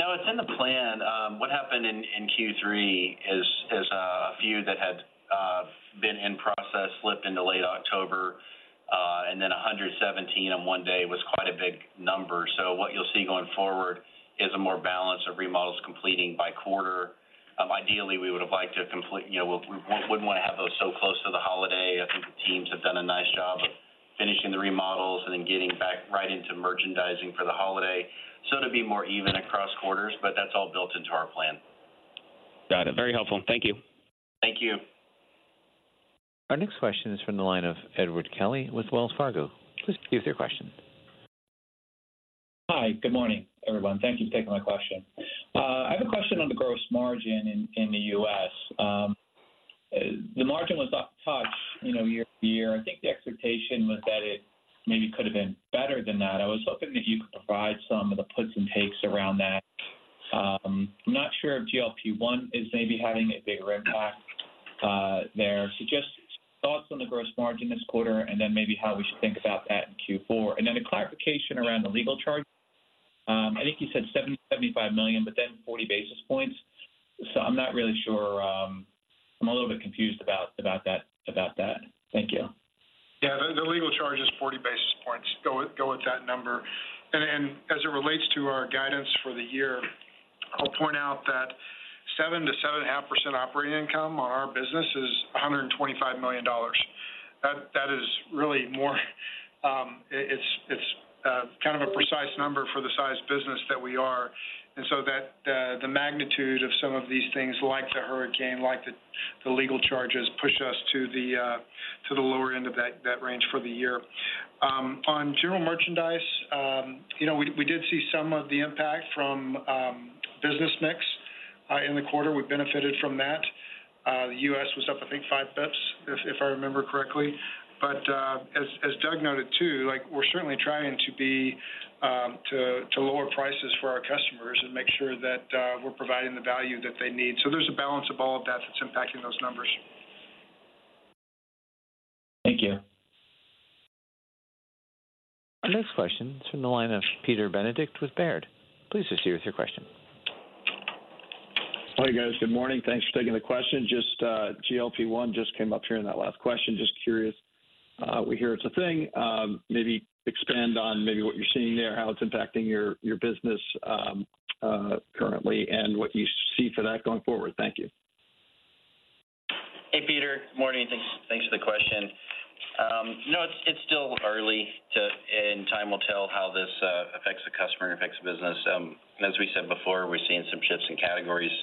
No, it's in the plan. What happened in Q3 is a few that had been in process slipped into late October, and then 117 on one day was quite a big number. So what you'll see going forward is a more balance of remodels completing by quarter. Ideally, we would have liked to complete—you know, we wouldn't want to have those so close to the holiday. I think the teams have done a nice job of finishing the remodels and then getting back right into merchandising for the holiday, so to be more even across quarters, but that's all built into our plan. Got it. Very helpful. Thank you. Thank you. Our next question is from the line of Edward Kelly with Wells Fargo. Please proceed with your question. Hi. Good morning, everyone. Thank you for taking my question. I have a question on the gross margin in the U.S. The margin was off touch, you know, year-to-year. I think the expectation was that it maybe could have been better than that. I was hoping if you could provide some of the puts and takes around that. I'm not sure if GLP-1 is maybe having a big impact, there. So just thoughts on the gross margin this quarter, and then maybe how we should think about that in Q4. And then a clarification around the legal charge. I think you said $70, $75 million, but then 40 basis points. So I'm not really sure, I'm a little bit confused about, about that, about that. Thank you. Yeah, the legal charge is 40 basis points. Go with that number. And as it relates to our guidance for the year, I'll point out that 7%-7.5% operating income on our business is $125 million. That is really more, it's kind of a precise number for the size business that we are. And so the magnitude of some of these things, like the hurricane, like the legal charges, push us to the lower end of that range for the year. On general merchandise, you know, we did see some of the impact from business mix in the quarter. We benefited from that. The U.S. was up, I think, five basis points, if I remember correctly. But, as Doug noted, too, like, we're certainly trying to lower prices for our customers and make sure that we're providing the value that they need. So there's a balance of all of that that's impacting those numbers. Thank you. Our next question is from the line of Peter Benedict with Baird. Please proceed with your question. Hi, guys. Good morning. Thanks for taking the question. Just, GLP-1 just came up here in that last question. Just curious, we hear it's a thing. Maybe expand on maybe what you're seeing there, how it's impacting your, your business, currently, and what you see for that going forward. Thank you. Hey, Peter. Good morning. Thanks, thanks for the question. You know, it's still early, and time will tell how this affects the customer and affects the business. As we said before, we've seen some shifts in categories,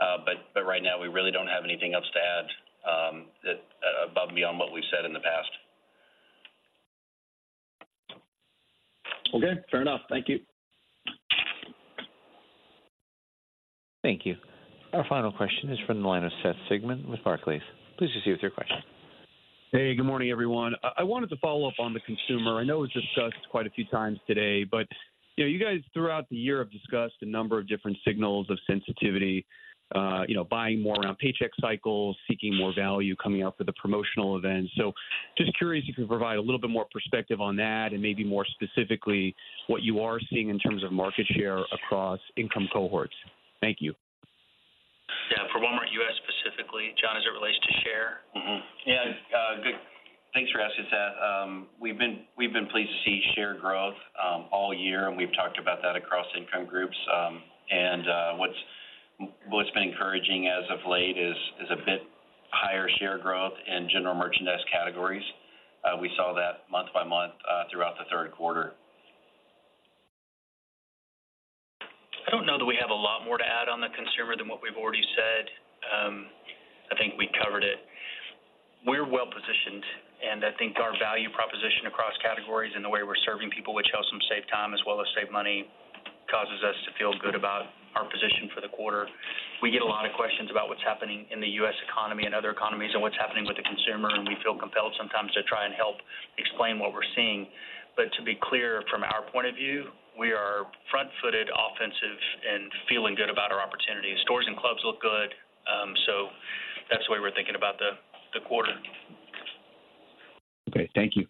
but right now we really don't have anything else to add, that above and beyond what we've said in the past. Okay, fair enough. Thank you. Thank you. Our final question is from the line of Seth Sigman with Barclays. Please proceed with your question. Hey, good morning, everyone. I wanted to follow up on the consumer. I know it was discussed quite a few times today, but, you know, you guys, throughout the year, have discussed a number of different signals of sensitivity. You know, buying more around paycheck cycles, seeking more value, coming out for the promotional events. So just curious if you could provide a little bit more perspective on that and maybe more specifically, what you are seeing in terms of market share across income cohorts. Thank you. Yeah. For Walmart U.S. specifically, John, as it relates to share? Mm-hmm. Yeah, good. Thanks for asking, Seth. We've been pleased to see share growth all year, and we've talked about that across income groups. What's been encouraging as of late is a bit higher share growth in general merchandise categories. We saw that month by month throughout the third quarter. I don't know that we have a lot more to add on the consumer than what we've already said. I think we covered it. We're well-positioned, and I think our value proposition across categories and the way we're serving people, which helps them save time as well as save money, causes us to feel good about our position for the quarter. We get a lot of questions about what's happening in the U.S. economy and other economies and what's happening with the consumer, and we feel compelled sometimes to try and help explain what we're seeing. But to be clear, from our point of view, we are front-footed, offensive, and feeling good about our opportunities. Stores and clubs look good, so that's the way we're thinking about the quarter. Okay, thank you.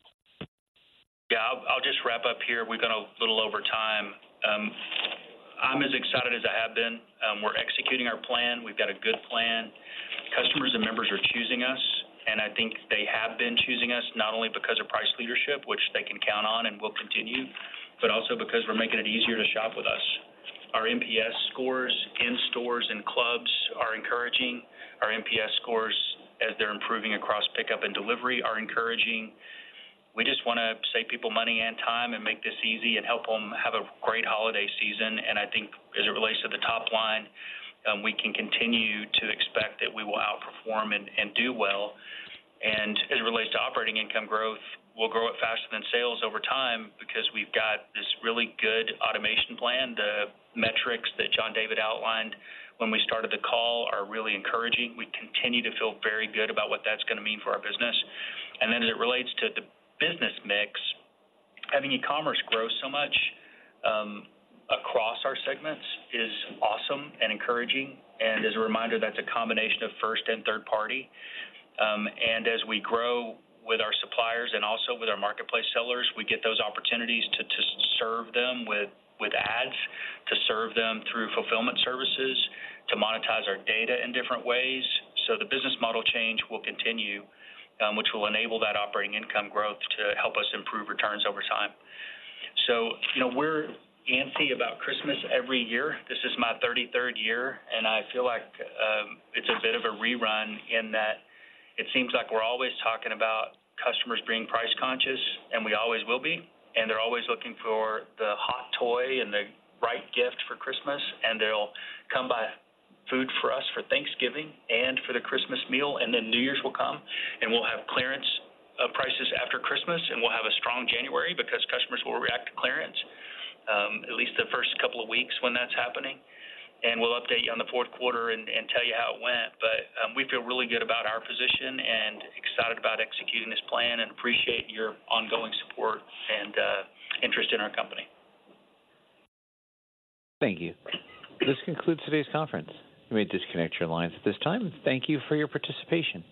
Yeah, I'll, I'll just wrap up here. We've gone a little over time. I'm as excited as I have been. We're executing our plan. We've got a good plan. Customers and members are choosing us, and I think they have been choosing us, not only because of price leadership, which they can count on and will continue, but also because we're making it easier to shop with us. Our NPS scores in stores and clubs are encouraging. Our NPS scores, as they're improving across pickup and delivery, are encouraging. We just wanna save people money and time and make this easy and help them have a great holiday season. And I think as it relates to the top line, we can continue to expect that we will outperform and, and do well. As it relates to operating income growth, we'll grow it faster than sales over time because we've got this really good automation plan. The metrics that John David outlined when we started the call are really encouraging. We continue to feel very good about what that's gonna mean for our business. And then, as it relates to the business mix, having e-commerce grow so much across our segments is awesome and encouraging. And as a reminder, that's a combination of first and third party. And as we grow with our suppliers and also with our Marketplace sellers, we get those opportunities to serve them with ads, to serve them through Fulfillment Services, to monetize our data in different ways. So the business model change will continue, which will enable that operating income growth to help us improve returns over time. So you know, we're antsy about Christmas every year. This is my 33rd year, and I feel like it's a bit of a rerun in that it seems like we're always talking about customers being price conscious, and we always will be. And they're always looking for the hot toy and the right gift for Christmas, and they'll come buy food from us for Thanksgiving and for the Christmas meal. And then New Year's will come, and we'll have clearance prices after Christmas, and we'll have a strong January because customers will react to clearance at least the first couple of weeks when that's happening. And we'll update you on the fourth quarter and tell you how it went. But we feel really good about our position and excited about executing this plan, and appreciate your ongoing support and interest in our company. Thank you. This concludes today's conference. You may disconnect your lines at this time. Thank you for your participation.